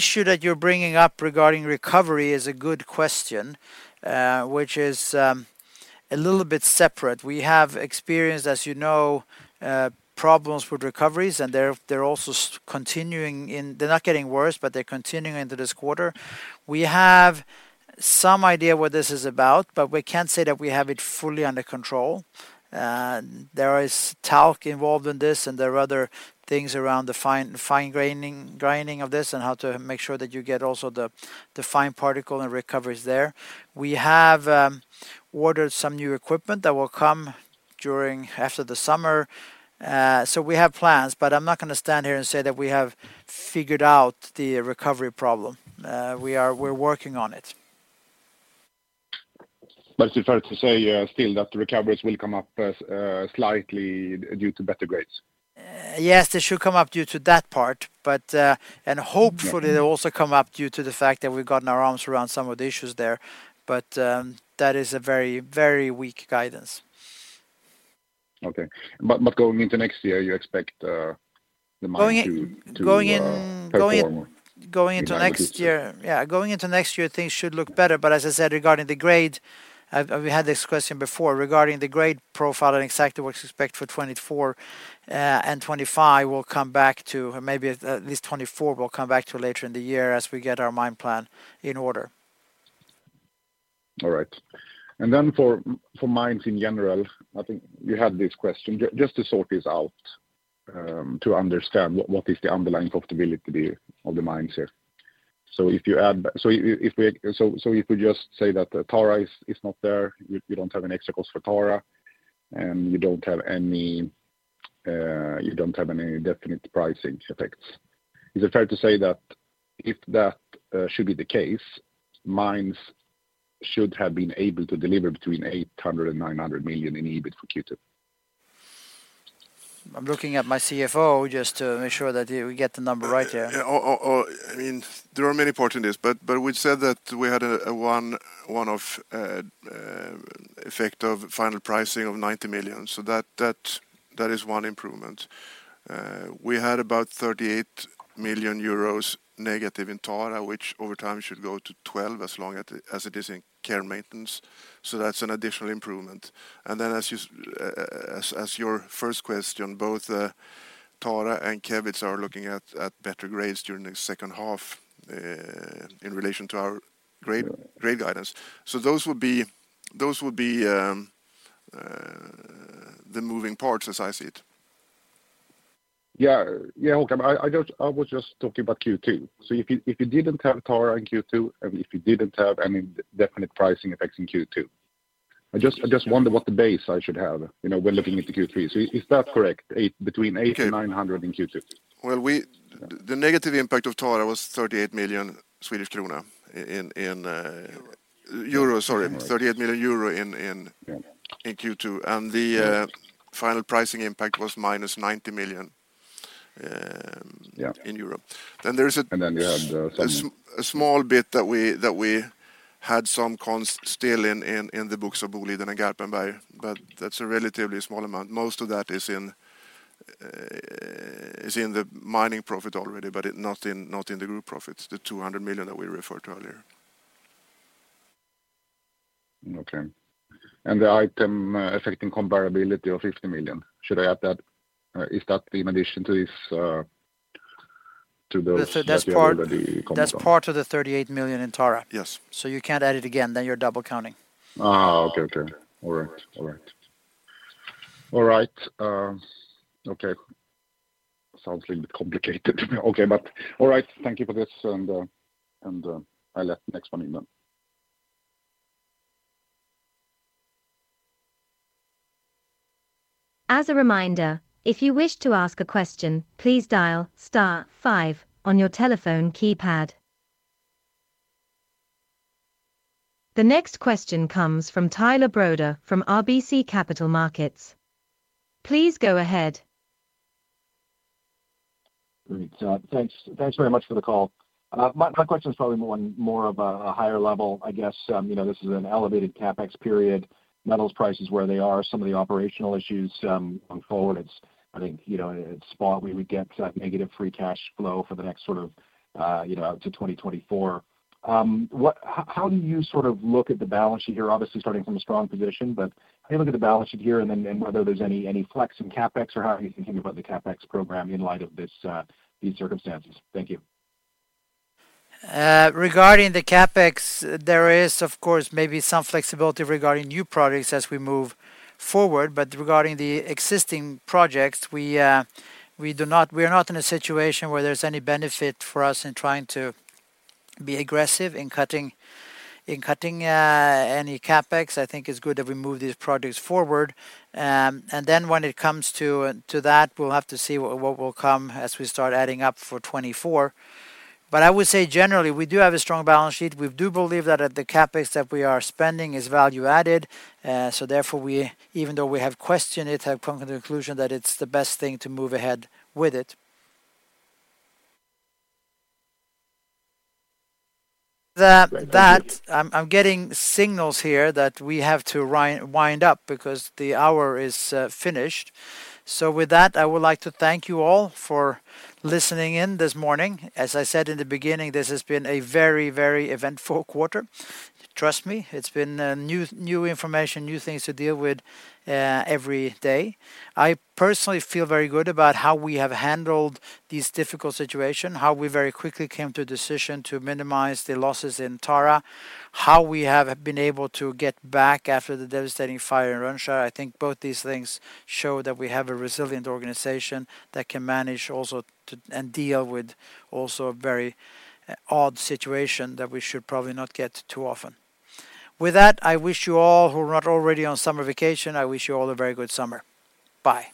issue that you're bringing up regarding recovery is a good question, which is a little bit separate. We have experienced, as you know, problems with recoveries, and they're also continuing. They're not getting worse, but they're continuing into this quarter. We have some idea what this is about, but we can't say that we have it fully under control. There is talc involved in this, and there are other things around the fine grinding of this and how to make sure that you get also the fine particle and recovery is there. We have ordered some new equipment that will come after the summer. We have plans, but I'm not gonna stand here and say that we have figured out the recovery problem. We're working on it. It's fair to say, still, that the recoveries will come up, slightly due to better grades? yes, they should come up due to that part, but. Hopefully- Yeah... They'll also come up due to the fact that we've gotten our arms around some of the issues there, but that is a very, very weak guidance. Okay. Going into next year, you expect, the mine... Going in- - to, perform? Going in. According to- Going into next year, things should look better. As I said, regarding the grade, we had this question before. Regarding the grade profile and exactly what to expect for 2024 and 2025, or maybe at least 2024, we'll come back to later in the year as we get our mine plan in order. All right. For, for mines in general, I think you had this question. Just to sort this out, to understand what is the underlying profitability of the mines here. If we just say that Tara is not there, you don't have an extra cost for Tara, and you don't have any provisional pricing effects. Is it fair to say that if that should be the case, mines should have been able to deliver between 800 million-900 million in EBIT for Q2? I'm looking at my CFO just to make sure that we get the number right here. I mean, there are many parts in this, but we said that we had a one of effect of final pricing of 90 million. That is one improvement. We had about 38 million euros negative in Tara, which over time should go to 12 million as long as it is in care and maintenance. That's an additional improvement. And then as your first question, both Tara and Kevitsa are looking at better grades during the H2 in relation to our grade guidance. Those will be the moving parts as I see it. Yeah. Håkan, I just-- I was just talking about Q2. If you, if you didn't have Tara in Q2, and if you didn't have any provisional pricing effects in Q2, I just wonder what the base I should have, you know, when looking into Q3. Is that correct, between 800-900 in Q2? Well, the negative impact of Tara was 38 million Swedish krona. Euro. Euro, sorry, 38 million euro in. Yeah... In Q2, and the. Yes final pricing impact was -90 million. Yeah... in Europe. You have the.... A small bit that we had some cons still in the books of Boliden and Garpenberg, but that's a relatively small amount. Most of that is in the mining profit already, but it not in the group profits, the 200 million that we referred to earlier. Okay. The item, affecting comparability of 50 million, should I add that? Is that in addition to this, to those that you already commented on? That's part of the 38 million in Tara. Yes. You can't add it again, then you're double counting. Okay, okay. All right. All right. All right, okay. Sounds a little bit complicated. Okay, but all right. Thank you for this. I'll let the next one in then. As a reminder, if you wish to ask a question, please dial star five on your telephone keypad. The next question comes from Tyler Broda, from RBC Capital Markets. Please go ahead. Great. Thanks very much for the call. My question is probably more on, more of a higher level, I guess. You know, this is an elevated CapEx period, metals prices where they are, some of the operational issues, going forward, it's, I think, you know, it's spot where we get to that negative free cash flow for the next sort of, you know, up to 2024. How do you sort of look at the balance sheet here? Obviously, starting from a strong position. How do you look at the balance sheet here, and then whether there's any flex in CapEx or how you can think about the CapEx program in light of this, these circumstances? Thank you. Regarding the CapEx, there is, of course, maybe some flexibility regarding new projects as we move forward, but regarding the existing projects, we are not in a situation where there's any benefit for us in trying to be aggressive in cutting any CapEx. I think it's good that we move these projects forward. Then when it comes to that, we'll have to see what will come as we start adding up for 2024. I would say generally, we do have a strong balance sheet. We do believe that at the CapEx that we are spending is value added. Therefore, we, even though we have questioned it, have come to the conclusion that it's the best thing to move ahead with it. That. Thank you. I'm getting signals here that we have to wind up because the hour is finished. With that, I would like to thank you all for listening in this morning. As I said in the beginning, this has been a very, very eventful quarter. Trust me, it's been new information, new things to deal with every day. I personally feel very good about how we have handled this difficult situation, how we very quickly came to a decision to minimize the losses in Tara, how we have been able to get back after the devastating fire in Rönnskär. I think both these things show that we have a resilient organization that can manage and deal with also a very odd situation that we should probably not get too often. With that, I wish you all who are not already on summer vacation, I wish you all a very good summer. Bye.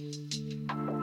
Thank you. ...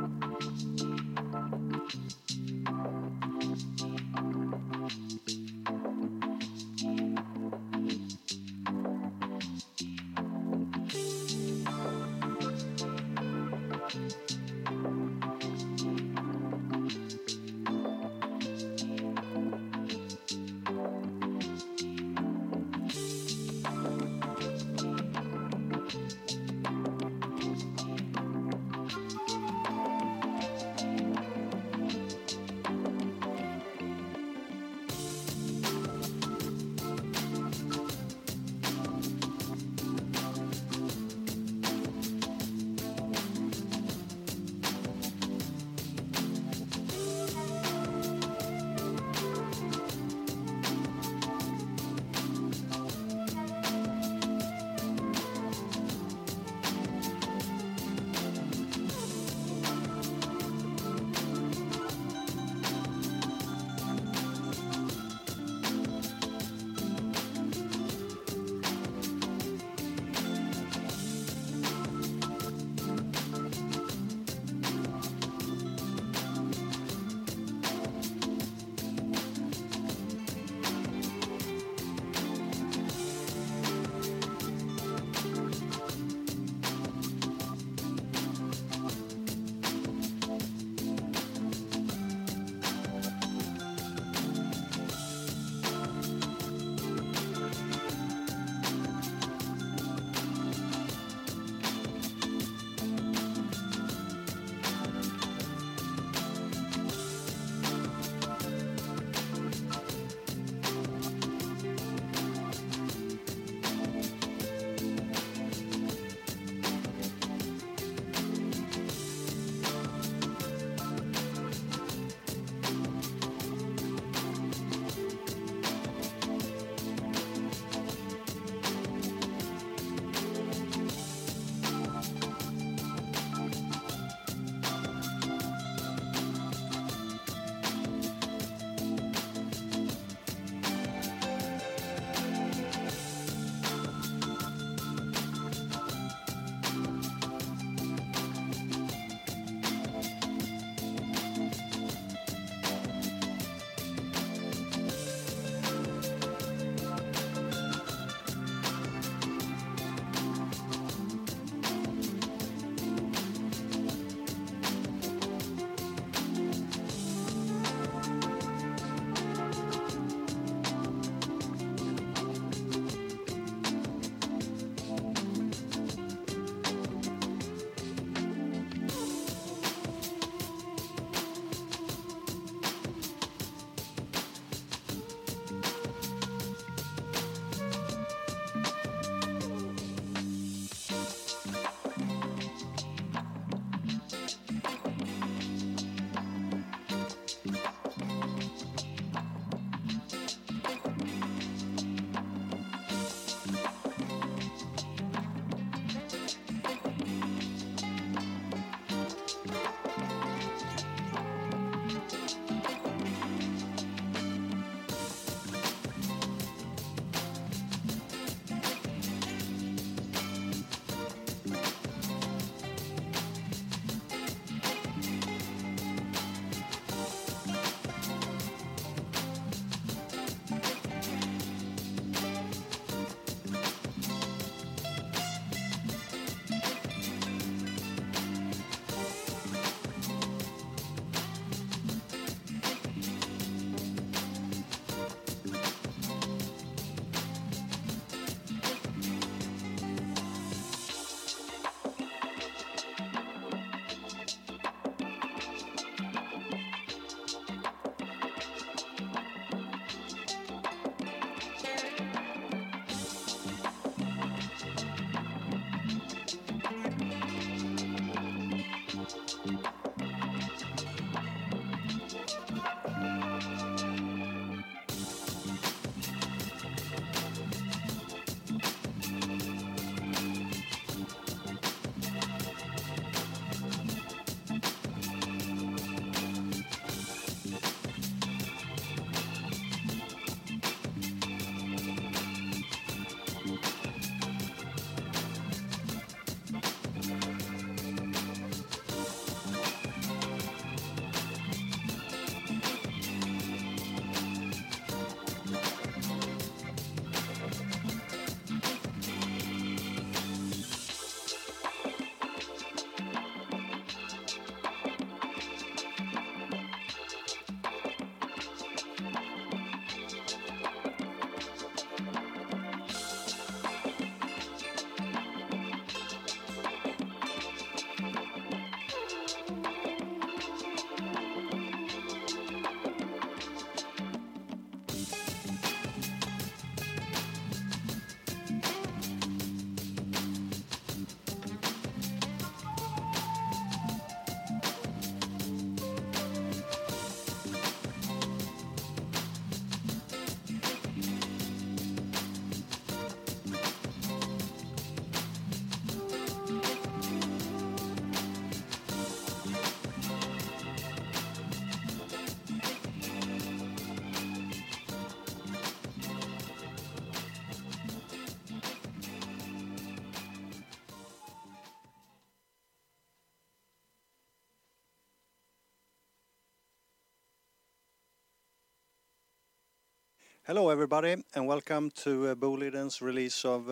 Hello, everybody, welcome to Boliden's release of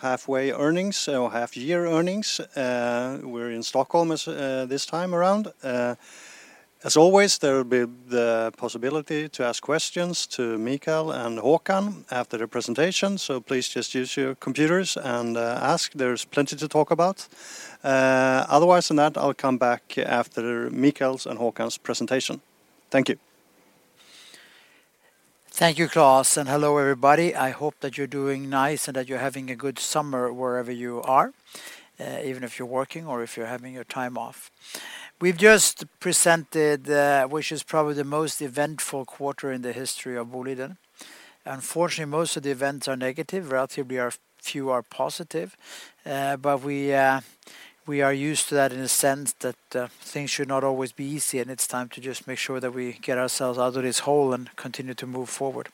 halfway earnings or half-year earnings. We're in Stockholm this this time around. As always, there will be the possibility to ask questions to Mikael and Håkan after the presentation, please just use your computers and ask. There's plenty to talk about. Otherwise, than that, I'll come back after Mikael's and Håkan's presentation. Thank you. Thank you, Klas. Hello, everybody. I hope that you're doing nice and that you're having a good summer wherever you are, even if you're working or if you're having your time off. We've just presented, which is probably the most eventful quarter in the history of Boliden. Unfortunately, most of the events are negative, relatively a few are positive. We are used to that in a sense that things should not always be easy, and it's time to just make sure that we get ourselves out of this hole and continue to move forward.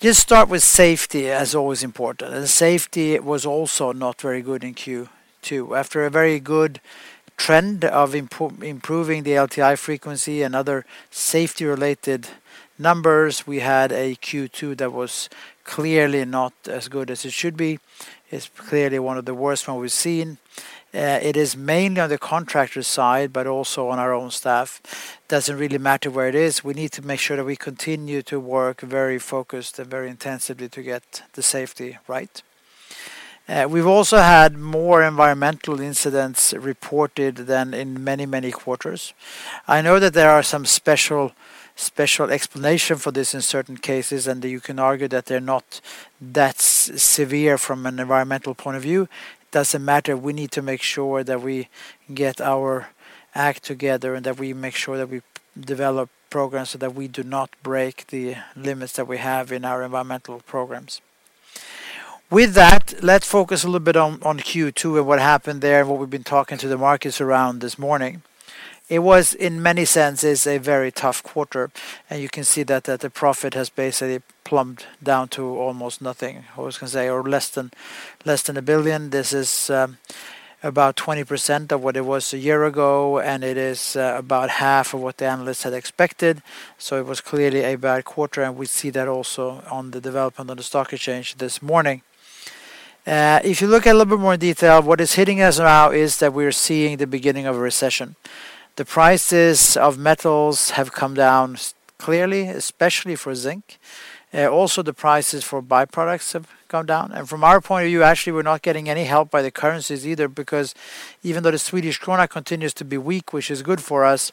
Just start with safety, as always important. The safety was also not very good in Q2. After a very good trend of improving the LTI frequency and other safety-related numbers, we had a Q2 that was clearly not as good as it should be. It's clearly one of the worst one we've seen. It is mainly on the contractor side, but also on our own staff. Doesn't really matter where it is, we need to make sure that we continue to work very focused and very intensively to get the safety right. We've also had more environmental incidents reported than in many quarters. I know that there are some special explanation for this in certain cases. You can argue that they're not that severe from an environmental point of view. Doesn't matter. We need to make sure that we get our act together, that we make sure that we develop programs so that we do not break the limits that we have in our environmental programs. With that, let's focus a little bit on Q2 and what happened there, what we've been talking to the markets around this morning. It was, in many senses, a very tough quarter, you can see that the profit has basically plumped down to almost nothing. I was gonna say, or less than 1 billion. This is about 20% of what it was a year ago, and it is about half of what the analysts had expected. It was clearly a bad quarter, we see that also on the development on the stock exchange this morning. If you look at a little bit more detail, what is hitting us now is that we are seeing the beginning of a recession. The prices of metals have come down clearly, especially for zinc. Also, the prices for byproducts have gone down. From our point of view, actually, we're not getting any help by the currencies either, because even though the Swedish krona continues to be weak, which is good for us,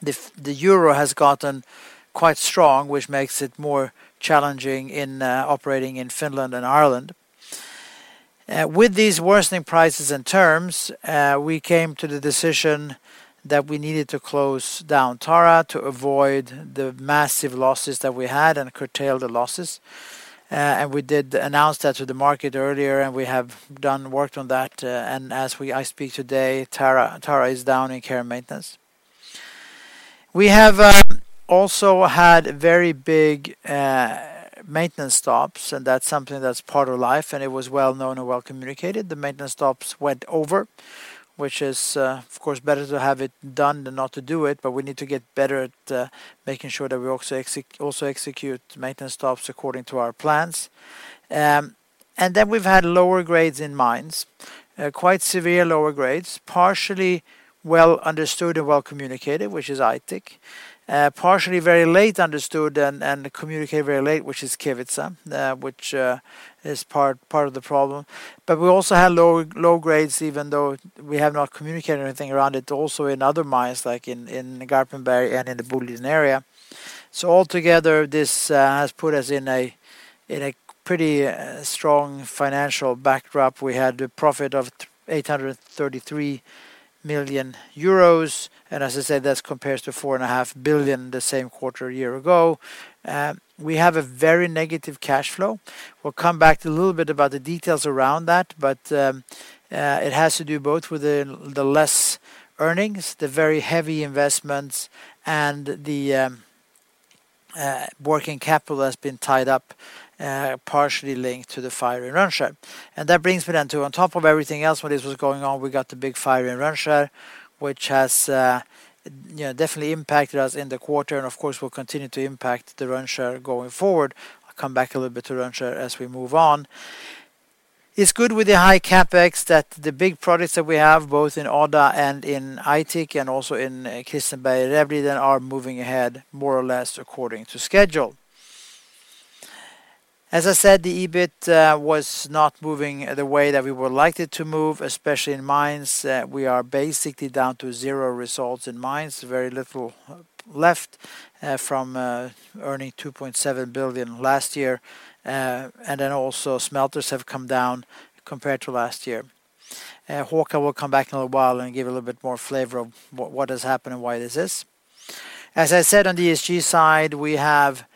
the euro has gotten quite strong, which makes it more challenging in operating in Finland and Ireland. With these worsening prices and terms, we came to the decision that we needed to close down Tara to avoid the massive losses that we had and curtail the losses. We did announce that to the market earlier. We have done work on that. As I speak today, Tara is down in Care and Maintenance. We have also had very big maintenance stops. That's something that's part of life. It was well known and well communicated. The maintenance stops went over, which is, of course, better to have it done than not to do it. We need to get better at making sure that we also execute maintenance stops according to our plans. Then we've had lower grades in mines, quite severe lower grades, partially well understood and well communicated, which is Aitik. Partially very late understood and communicated very late, which is Kevitsa, which is part of the problem. We also had low grades, even though we have not communicated anything around it, also in other mines, like in Garpenberg and in the Boliden Area. Altogether, this has put us in a pretty strong financial backdrop. We had a profit of 833 million euros, as I said, that compares to 4.5 billion euros the same quarter a year ago. We have a very negative cash flow. We'll come back to a little bit about the details around that, but it has to do both with the less earnings, the very heavy investments, and the working capital that's been tied up, partially linked to the fire in Rönnskär. That brings me then to, on top of everything else, when this was going on, we got the big fire in Rönnskär, which has, you know, definitely impacted us in the quarter, and of course, will continue to impact the Rönnskär going forward. I'll come back a little bit to Rönnskär as we move on. It's good with the high CapEx that the big projects that we have, both in Odda and in Aitik, and also in Kevitsa, that are moving ahead more or less according to schedule. As I said, the EBIT was not moving the way that we would like it to move, especially in mines. We are basically down to zero results in mines, very little left from earning 2.7 billion last year. Also, smelters have come down compared to last year. Håkan will come back in a little while and give a little bit more flavor of what has happened and why this is. As I said, on the ESG side, we have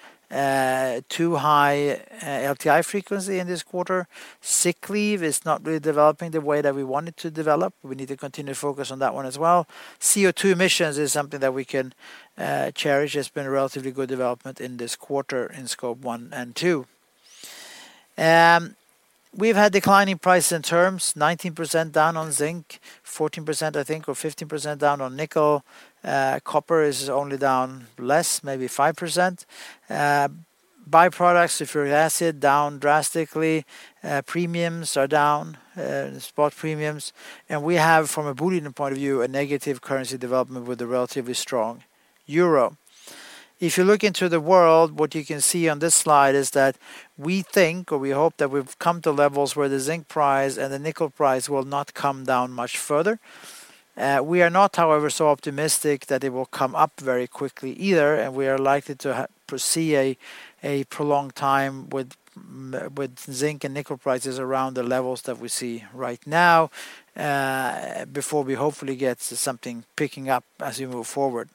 too high LTI frequency in this quarter. Sick leave is not really developing the way that we want it to develop. We need to continue to focus on that one as well. CO2 emissions is something that we can cherish. It's been a relatively good development in this quarter in Scope 1 and 2. We've had declining prices in terms, 19% down on zinc, 14%, I think, or 15% down on nickel. Copper is only down less, maybe 5%. Byproducts, sulfuric acid, down drastically. Premiums are down, spot premiums, and we have, from a Boliden point of view, a negative currency development with a relatively strong euro. If you look into the world, what you can see on this slide is that we think, or we hope that we've come to levels where the zinc price and the nickel price will not come down much further. We are not, however, so optimistic that it will come up very quickly either. We are likely to see a prolonged time with zinc and nickel prices around the levels that we see right now, before we hopefully get something picking up as we move forward.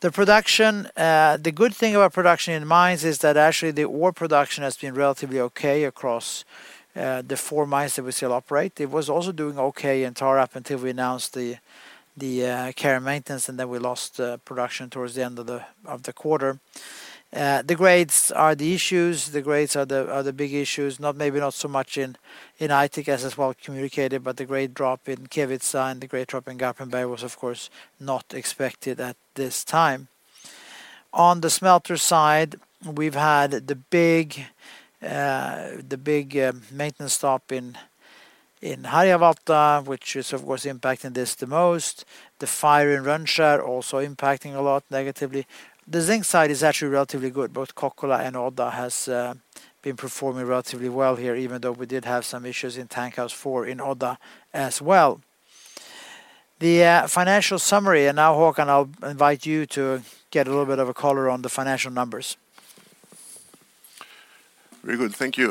The production, the good thing about production in mines is that actually, the ore production has been relatively okay across the four mines that we still operate. It was also doing okay in Tara up until we announced the care and maintenance. Then we lost the production towards the end of the quarter. The grades are the issues. The grades are the big issues, maybe not so much in Aitik as it's well communicated, but the grade drop in Kevitsa and the grade drop in Garpenberg was, of course, not expected at this time. On the smelter side, we've had the big maintenance stop in Harjavalta, which is of course, impacting this the most. The fire in Rönnskär also impacting a lot negatively. The zinc side is actually relatively good. Both Kokkola and Odda has been performing relatively well here, even though we did have some issues in tank house four in Odda as well. The financial summary, now, Håkan, I'll invite you to get a little bit of a color on the financial numbers. Very good. Thank you.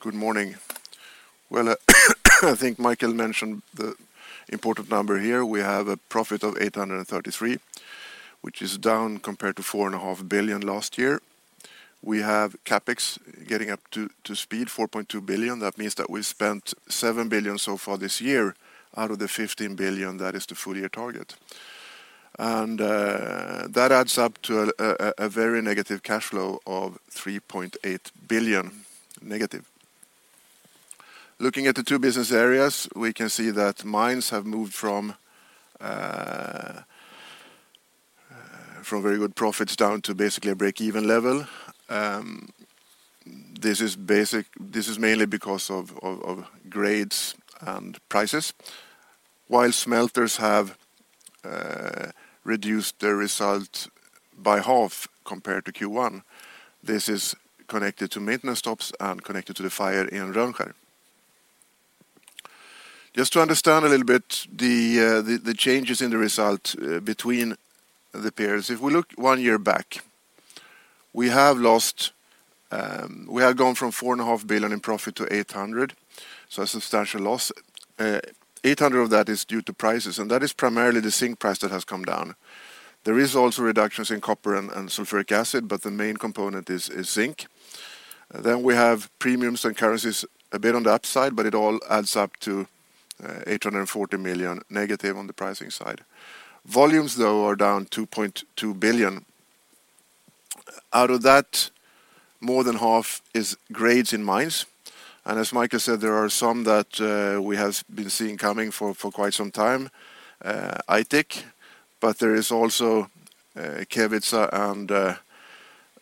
Good morning. Well, I think Mikael mentioned the important number here. We have a profit of 833, which is down compared to four and a half billion last year. We have CapEx getting up to speed 4.2 billion. That means that we spent 7 billion so far this year out of the 15 billion, that is the full year target. That adds up to a very negative cash flow of 3.8 billion negative. Looking at the two business areas, we can see that mines have moved from very good profits down to basically a break-even level. This is mainly because of grades and prices, while smelters have reduced their result by half compared to Q1. This is connected to maintenance stops and connected to the fire in Rönnskär. Just to understand a little bit the changes in the result between the periods. If we look one year back, we have lost, we have gone from 4.5 billion in profit to 800 million, so a substantial loss. 800 million of that is due to prices, and that is primarily the zinc price that has come down. There is also reductions in copper and sulfuric acid, but the main component is zinc. We have premiums and currencies a bit on the upside, but it all adds up to 840 million negative on the pricing side. Volumes, though, are down 2.2 billion. Out of that, more than half is grades in mines. As Mikael Staffas said, there are some that we have been seeing coming for quite some time, Aitik. There is also Kevitsa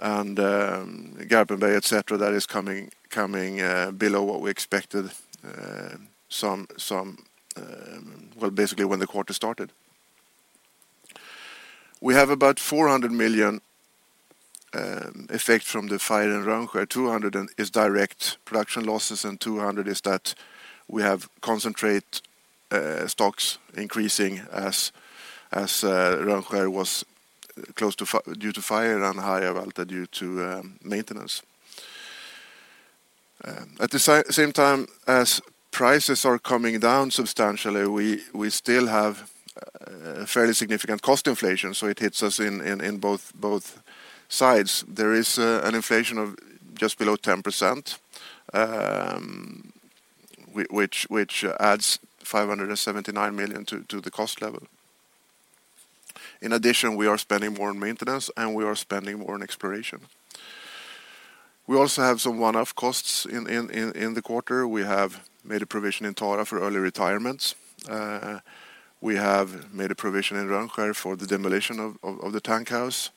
and Garpenberg, et cetera, that is coming below what we expected. Basically, when the quarter started, we have about 400 million effect from the fire in Rönnskär. 200 million is direct production losses, and 200 million is that we have concentrate stocks increasing as Rönnskär was closed due to fire and Harjavalta due to maintenance. At the same time, as prices are coming down substantially, we still have fairly significant cost inflation. It hits us in both sides. There is an inflation of just below 10%, which adds 579 million to the cost level. We are spending more on maintenance, and we are spending more on exploration. We also have some one-off costs in the quarter. We have made a provision in Tara for early retirements. We have made a provision in Rönnskär for the demolition of the tank house,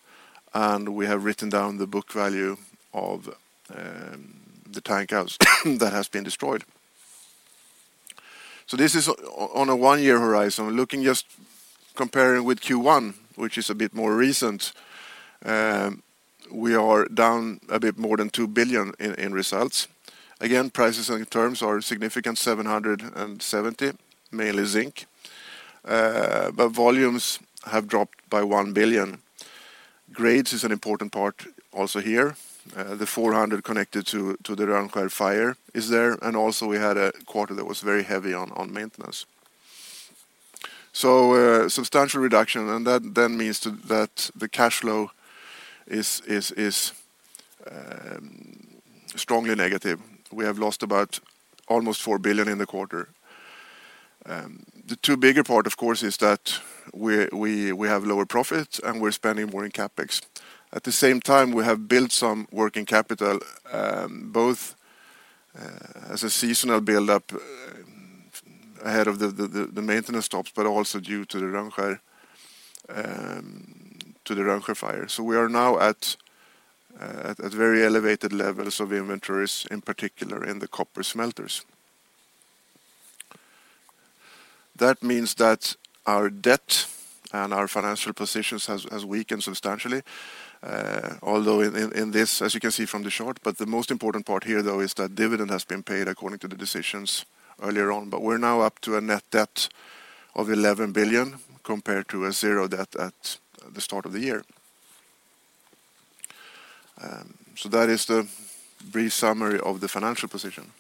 and we have written down the book value of the tank house that has been destroyed. This is on a one-year horizon. Looking just comparing with Q1, which is a bit more recent, we are down a bit more than 2 billion in results. Prices and terms are a significant 770 million, mainly zinc, but volumes have dropped by 1 billion. Grades is an important part also here. The 400 connected to the Rönnskär fire is there, we had a quarter that was very heavy on maintenance. Substantial reduction, that means that the cash flow is strongly negative. We have lost about almost 4 billion in the quarter. The two bigger part, of course, is that we have lower profits, we're spending more in CapEx. At the same time, we have built some working capital, both as a seasonal build-up ahead of the maintenance stops, but also due to the Rönnskär, to the Rönnskär fire. We are now at very elevated levels of inventories, in particular in the copper smelters. That means that our debt and our financial positions has weakened substantially, although in this, as you can see from the chart. The most important part here, though, is that dividend has been paid according to the decisions earlier on, but we're now up to a net debt of 11 billion compared to a zero debt at the start of the year. That is the brief summary of the financial position.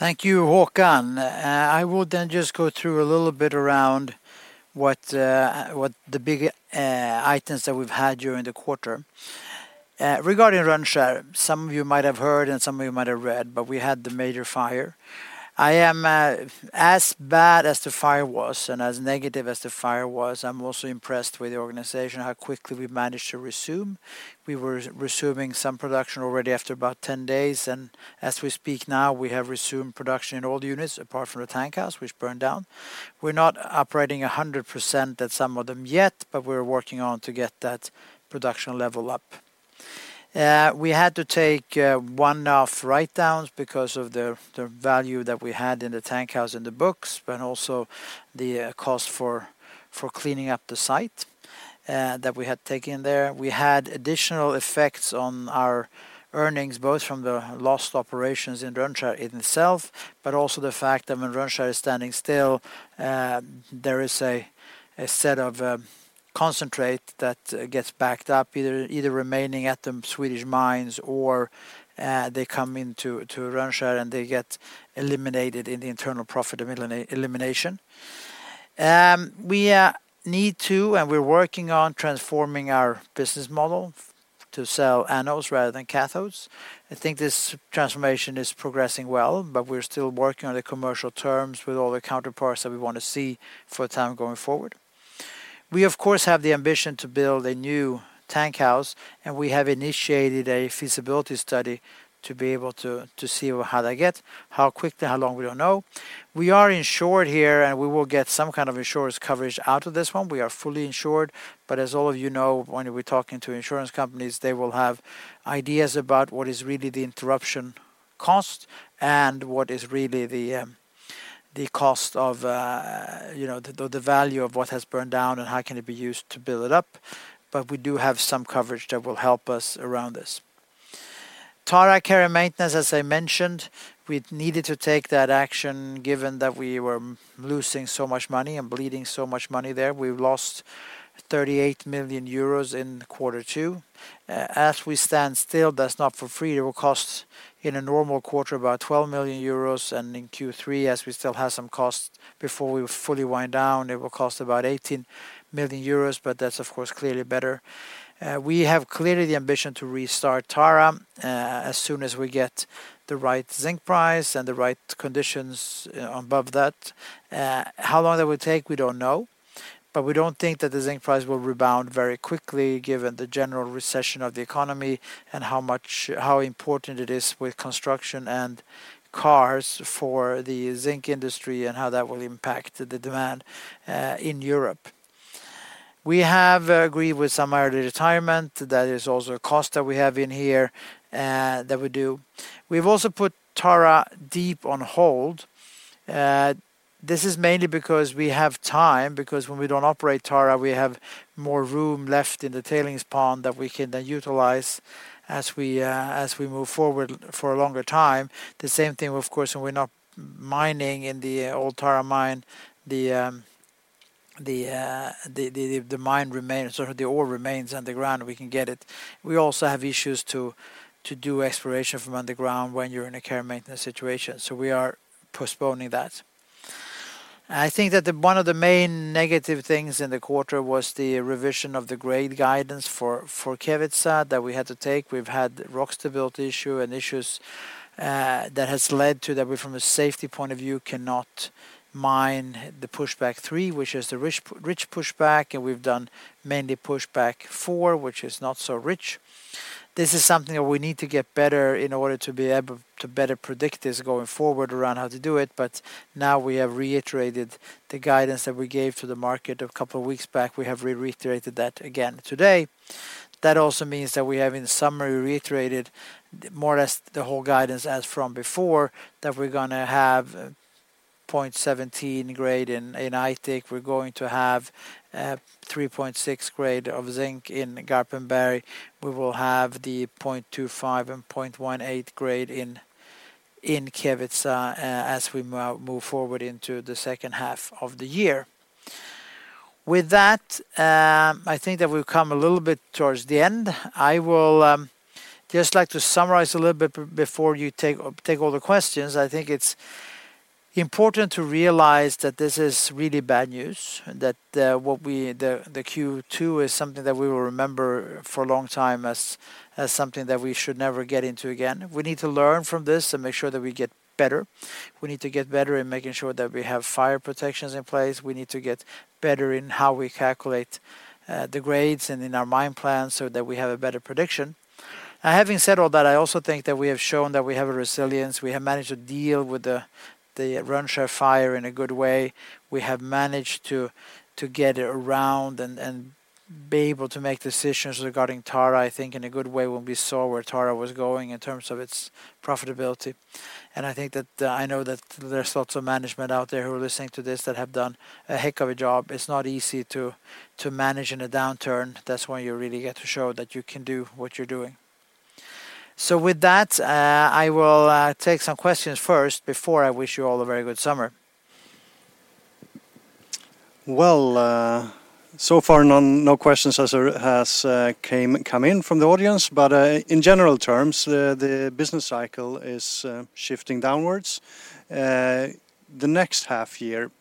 Thank you, Håkan. I will then just go through a little bit around what the big, items that we've had during the quarter. Regarding Rönnskär, some of you might have heard, some of you might have read, but we had the major fire. As bad as the fire was and as negative as the fire was, I'm also impressed with the organization, how quickly we managed to resume. We were resuming some production already after about 10 days. As we speak now, we have resumed production in all units, apart from the tank house, which burned down. We're not operating 100% at some of them yet, but we're working on to get that production level up. We had to take one-off write downs because of the value that we had in the tank house in the books, but also the cost for cleaning up the site that we had taken there. We had additional effects on our earnings, both from the lost operations in Rönnskär in itself, but also the fact that when Rönnskär is standing still, there is a set of concentrate that gets backed up, either remaining at the Swedish mines or they come into Rönnskär and they get eliminated in the internal profit elimination. We need to, and we're working on transforming our business model to sell anodes rather than cathodes. I think this transformation is progressing well, but we're still working on the commercial terms with all the counterparts that we want to see for time going forward. We, of course, have the ambition to build a new tank house, and we have initiated a feasibility study to be able to see how that gets, how quickly, how long, we don't know. We are insured here, and we will get some kind of insurance coverage out of this one. We are fully insured, but as all of you know, when we're talking to insurance companies, they will have ideas about what is really the interruption cost and what is really the cost of, you know, the value of what has burned down and how can it be used to build it up. We do have some coverage that will help us around this. Tara Care and Maintenance, as I mentioned, we needed to take that action, given that we were losing so much money and bleeding so much money there. We've lost 38 million euros in quarter two. As we stand still, that's not for free. It will cost, in a normal quarter, about 12 million euros, and in Q3, as we still have some costs before we fully wind down, it will cost about 18 million euros, but that's, of course, clearly better. We have clearly the ambition to restart Tara, as soon as we get the right zinc price and the right conditions, above that. How long that will take, we don't know, but we don't think that the zinc price will rebound very quickly, given the general recession of the economy and how important it is with construction and cars for the zinc industry and how that will impact the demand in Europe. We have agreed with some early retirement. That is also a cost that we have in here that we do. We've also put Tara deep on hold. This is mainly because we have time, because when we don't operate Tara, we have more room left in the tailings pond that we can then utilize as we move forward for a longer time. The same thing, of course, when we're not mining in the old Tara mine, the mine remains or the ore remains underground. We can get it. We also have issues to do exploration from underground when you're in a Care and Maintenance situation. We are postponing that. I think that the one of the main negative things in the quarter was the revision of the grade guidance for Kevitsa that we had to take. We've had rock stability issues that has led to that we, from a safety point of view, cannot mine the Pushback 3, which is the rich pushback, and we've done mainly Pushback 4, which is not so rich. This is something that we need to get better in order to be able to better predict this going forward around how to do it, but now we have reiterated the guidance that we gave to the market a couple of weeks back. We have reiterated that again today. That also means that we have, in summary, reiterated more or less the whole guidance as from before, that we're gonna have 0.17 grade in Aitik. We're going to have 3.6 grade of zinc in Garpenberg. We will have the 0.25 and 0.18 grade in Kevitsa as we move forward into the H2 of the year. With that, I think that we've come a little bit towards the end. I will just like to summarize a little bit before you take all the questions. I think it's important to realize that this is really bad news, that, what we, the Q2 is something that we will remember for a long time as something that we should never get into again. We need to learn from this and make sure that we get better. We need to get better in making sure that we have fire protections in place. We need to get better in how we calculate, the grades and in our mine plans so that we have a better prediction. Now, having said all that, I also think that we have shown that we have a resilience. We have managed to deal with the Rönnskär fire in a good way. We have managed to get around and be able to make decisions regarding Tara, I think, in a good way when we saw where Tara was going in terms of its profitability. I think that, I know that there's lots of management out there who are listening to this, that have done a heck of a job. It's not easy to manage in a downturn. That's when you really get to show that you can do what you're doing. With that, I will take some questions first before I wish you all a very good summer. Well, so far, no questions has come in from the audience, but, in general terms, the business cycle is shifting downwards. The next half year,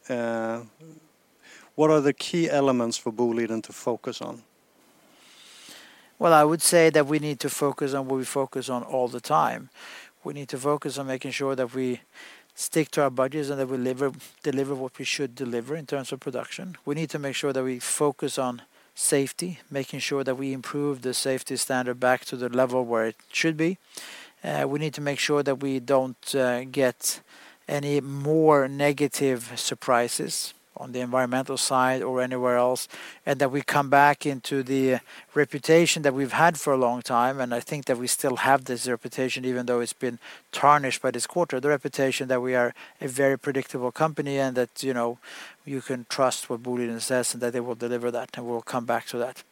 what are the key elements for Boliden to focus on? Well, I would say that we need to focus on what we focus on all the time. We need to focus on making sure that we stick to our budgets and that we deliver what we should deliver in terms of production. We need to make sure that we focus on safety, making sure that we improve the safety standard back to the level where it should be. We need to make sure that we don't get any more negative surprises on the environmental side or anywhere else, and that we come back into the reputation that we've had for a long time, and I think that we still have this reputation, even though it's been tarnished by this quarter. The reputation that we are a very predictable company, and that, you know, you can trust what Boliden says, and that they will deliver that, and we'll come back to that.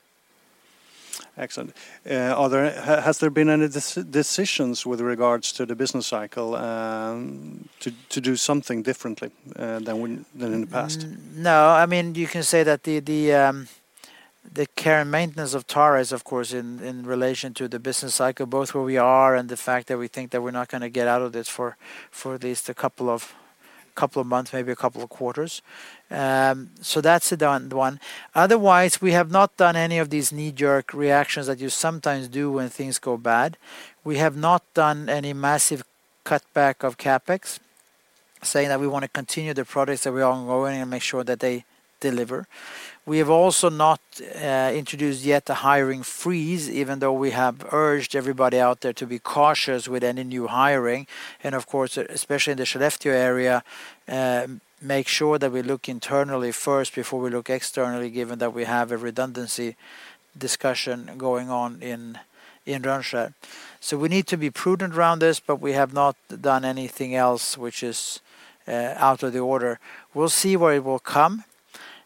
Excellent. Has there been any decisions with regards to the business cycle, to do something differently, than when, than in the past? No. I mean, you can say that the Care and Maintenance of Tara is, of course, in relation to the business cycle, both where we are and the fact that we think that we're not gonna get out of this for at least a couple of months, maybe a couple of quarters. So that's the done one. Otherwise, we have not done any of these knee-jerk reactions that you sometimes do when things go bad. We have not done any massive cutback of CapEx, saying that we want to continue the projects that we are ongoing and make sure that they deliver. We have also not introduced yet a hiring freeze, even though we have urged everybody out there to be cautious with any new hiring, and of course, especially in the Skellefteå area, make sure that we look internally first before we look externally, given that we have a redundancy discussion going on in Rönnskär. We need to be prudent around this, but we have not done anything else which is out of the order. We'll see where it will come.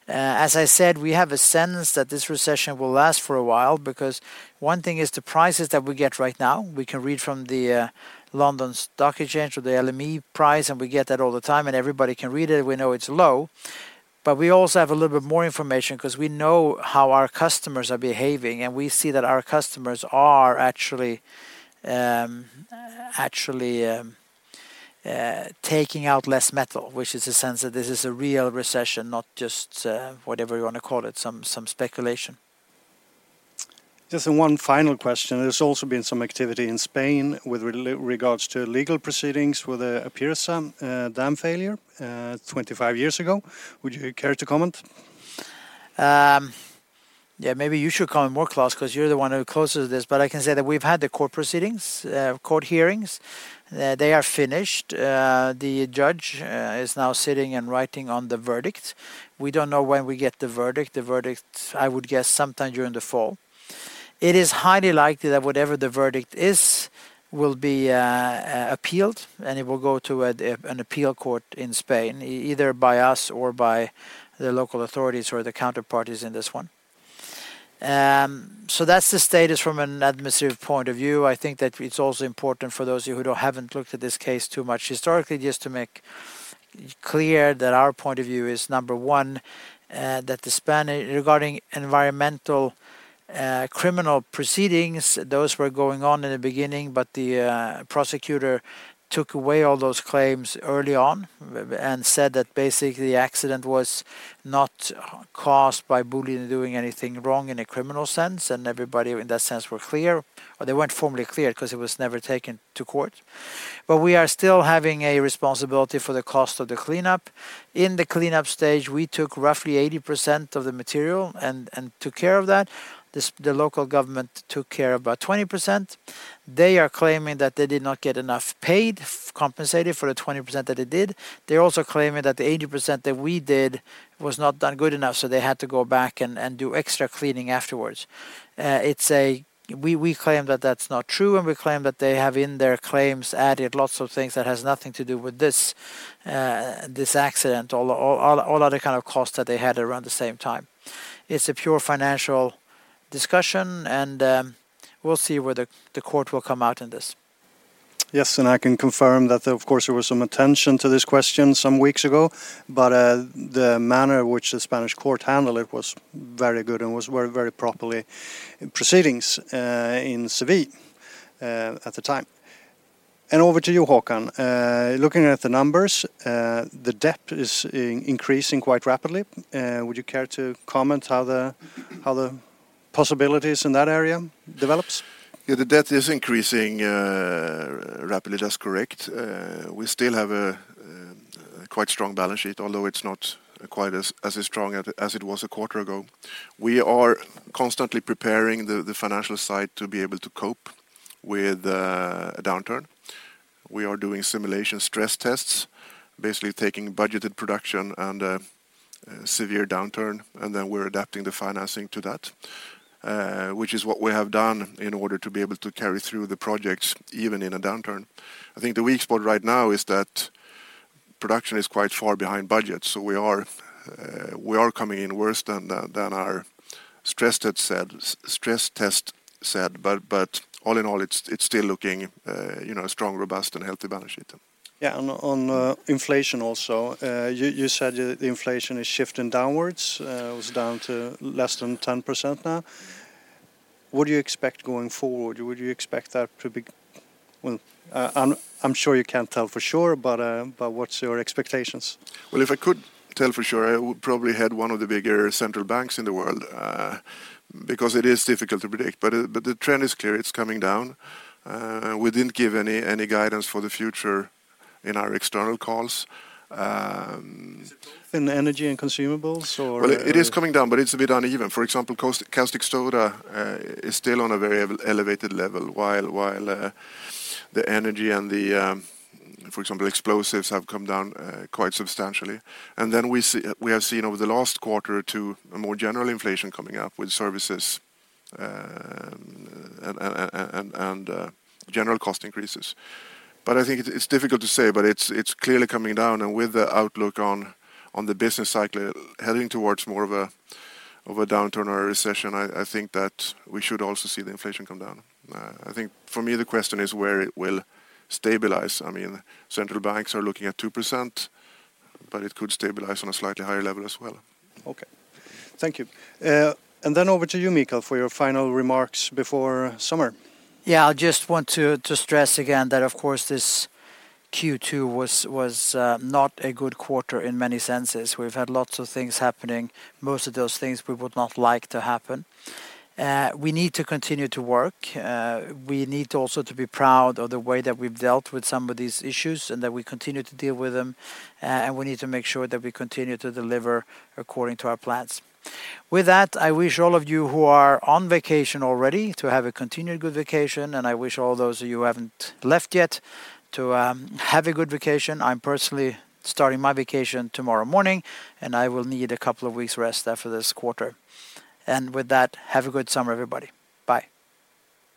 As I said, we have a sense that this recession will last for a while, because one thing is the prices that we get right now, we can read from the London Metal Exchange or the LME price, and we get that all the time, and everybody can read it. We know it's low, but we also have a little bit more information 'cause we know how our customers are behaving, and we see that our customers are actually taking out less metal, which is a sense that this is a real recession, not just whatever you wanna call it, some speculation. Just one final question. There's also been some activity in Spain with regards to legal proceedings with the Aznalcóllar dam failure, 25 years ago. Would you care to comment? Maybe you should comment more, Klas, 'cause you're the one who is closest to this. I can say that we've had the court proceedings, court hearings. They are finished. The judge is now sitting and writing on the verdict. We don't know when we get the verdict. The verdict, I would guess, sometime during the fall. It is highly likely that whatever the verdict is, will be appealed, and it will go to an appeal court in Spain, either by us or by the local authorities or the counterparties in this one. That's the status from an administrative point of view. I think that it's also important for those of you who haven't looked at this case too much historically, just to make clear that our point of view is, number one, that the Spanish... Regarding environmental, criminal proceedings, those were going on in the beginning. The prosecutor took away all those claims early on and said that basically, the accident was not caused by Boliden doing anything wrong in a criminal sense, and everybody, in that sense, were clear. They weren't formally clear, 'cause it was never taken to court. We are still having a responsibility for the cost of the cleanup. In the cleanup stage, we took roughly 80% of the material and took care of that. The local government took care of about 20%. They are claiming that they did not get enough paid, compensated for the 20% that they did. They're also claiming that the 80% that we did was not done good enough, so they had to go back and do extra cleaning afterwards. We claim that that's not true. We claim that they have, in their claims, added lots of things that has nothing to do with this accident, all other kind of costs that they had around the same time. It's a pure financial discussion. We'll see where the court will come out in this. I can confirm that, of course, there was some attention to this question some weeks ago, but the manner in which the Spanish court handled it was very good and was very, very properly proceedings in Seville at the time. Over to you, Håkan. Looking at the numbers, the debt is increasing quite rapidly. Would you care to comment how the, how the possibilities in that area develops? The debt is increasing rapidly. That's correct. We still have a quite strong balance sheet, although it's not quite as strong as it was a quarter ago. We are constantly preparing the financial side to be able to cope with a downturn. We are doing simulation stress tests, basically taking budgeted production and a severe downturn, and then we're adapting the financing to that, which is what we have done in order to be able to carry through the projects, even in a downturn. I think the weak spot right now is that production is quite far behind budget, we are coming in worse than our stress test said. All in all, it's still looking, you know, a strong, robust, and healthy balance sheet. On inflation also, you said the inflation is shifting downwards. It was down to less than 10% now. What do you expect going forward? Would you expect that to be... Well, I'm sure you can't tell for sure, but what's your expectations? Well, if I could tell for sure, I would probably head one of the bigger central banks in the world, because it is difficult to predict. The trend is clear, it's coming down. We didn't give any guidance for the future in our external calls. In the energy and consumables. Well, it is coming down, but it's a bit uneven. For example, caustic soda is still on a very elevated level, while the energy and the, for example, explosives have come down quite substantially. We have seen over the last quarter or two, a more general inflation coming up with services, and general cost increases. I think it's difficult to say, but it's clearly coming down, and with the outlook on the business cycle heading towards more of a downturn or a recession, I think that we should also see the inflation come down. I think for me, the question is where it will stabilize. I mean, central banks are looking at 2%, but it could stabilize on a slightly higher level as well. Okay. Thank you. Over to you, Mikael, for your final remarks before summer. Yeah, I just want to stress again that, of course, this Q2 was not a good quarter in many senses. We've had lots of things happening. Most of those things we would not like to happen. We need to continue to work. We need to also to be proud of the way that we've dealt with some of these issues, and that we continue to deal with them, and we need to make sure that we continue to deliver according to our plans. With that, I wish all of you who are on vacation already to have a continued good vacation, and I wish all those of you who haven't left yet to have a good vacation. I'm personally starting my vacation tomorrow morning, and I will need a couple of weeks' rest after this quarter. With that, have a good summer, everybody. Bye.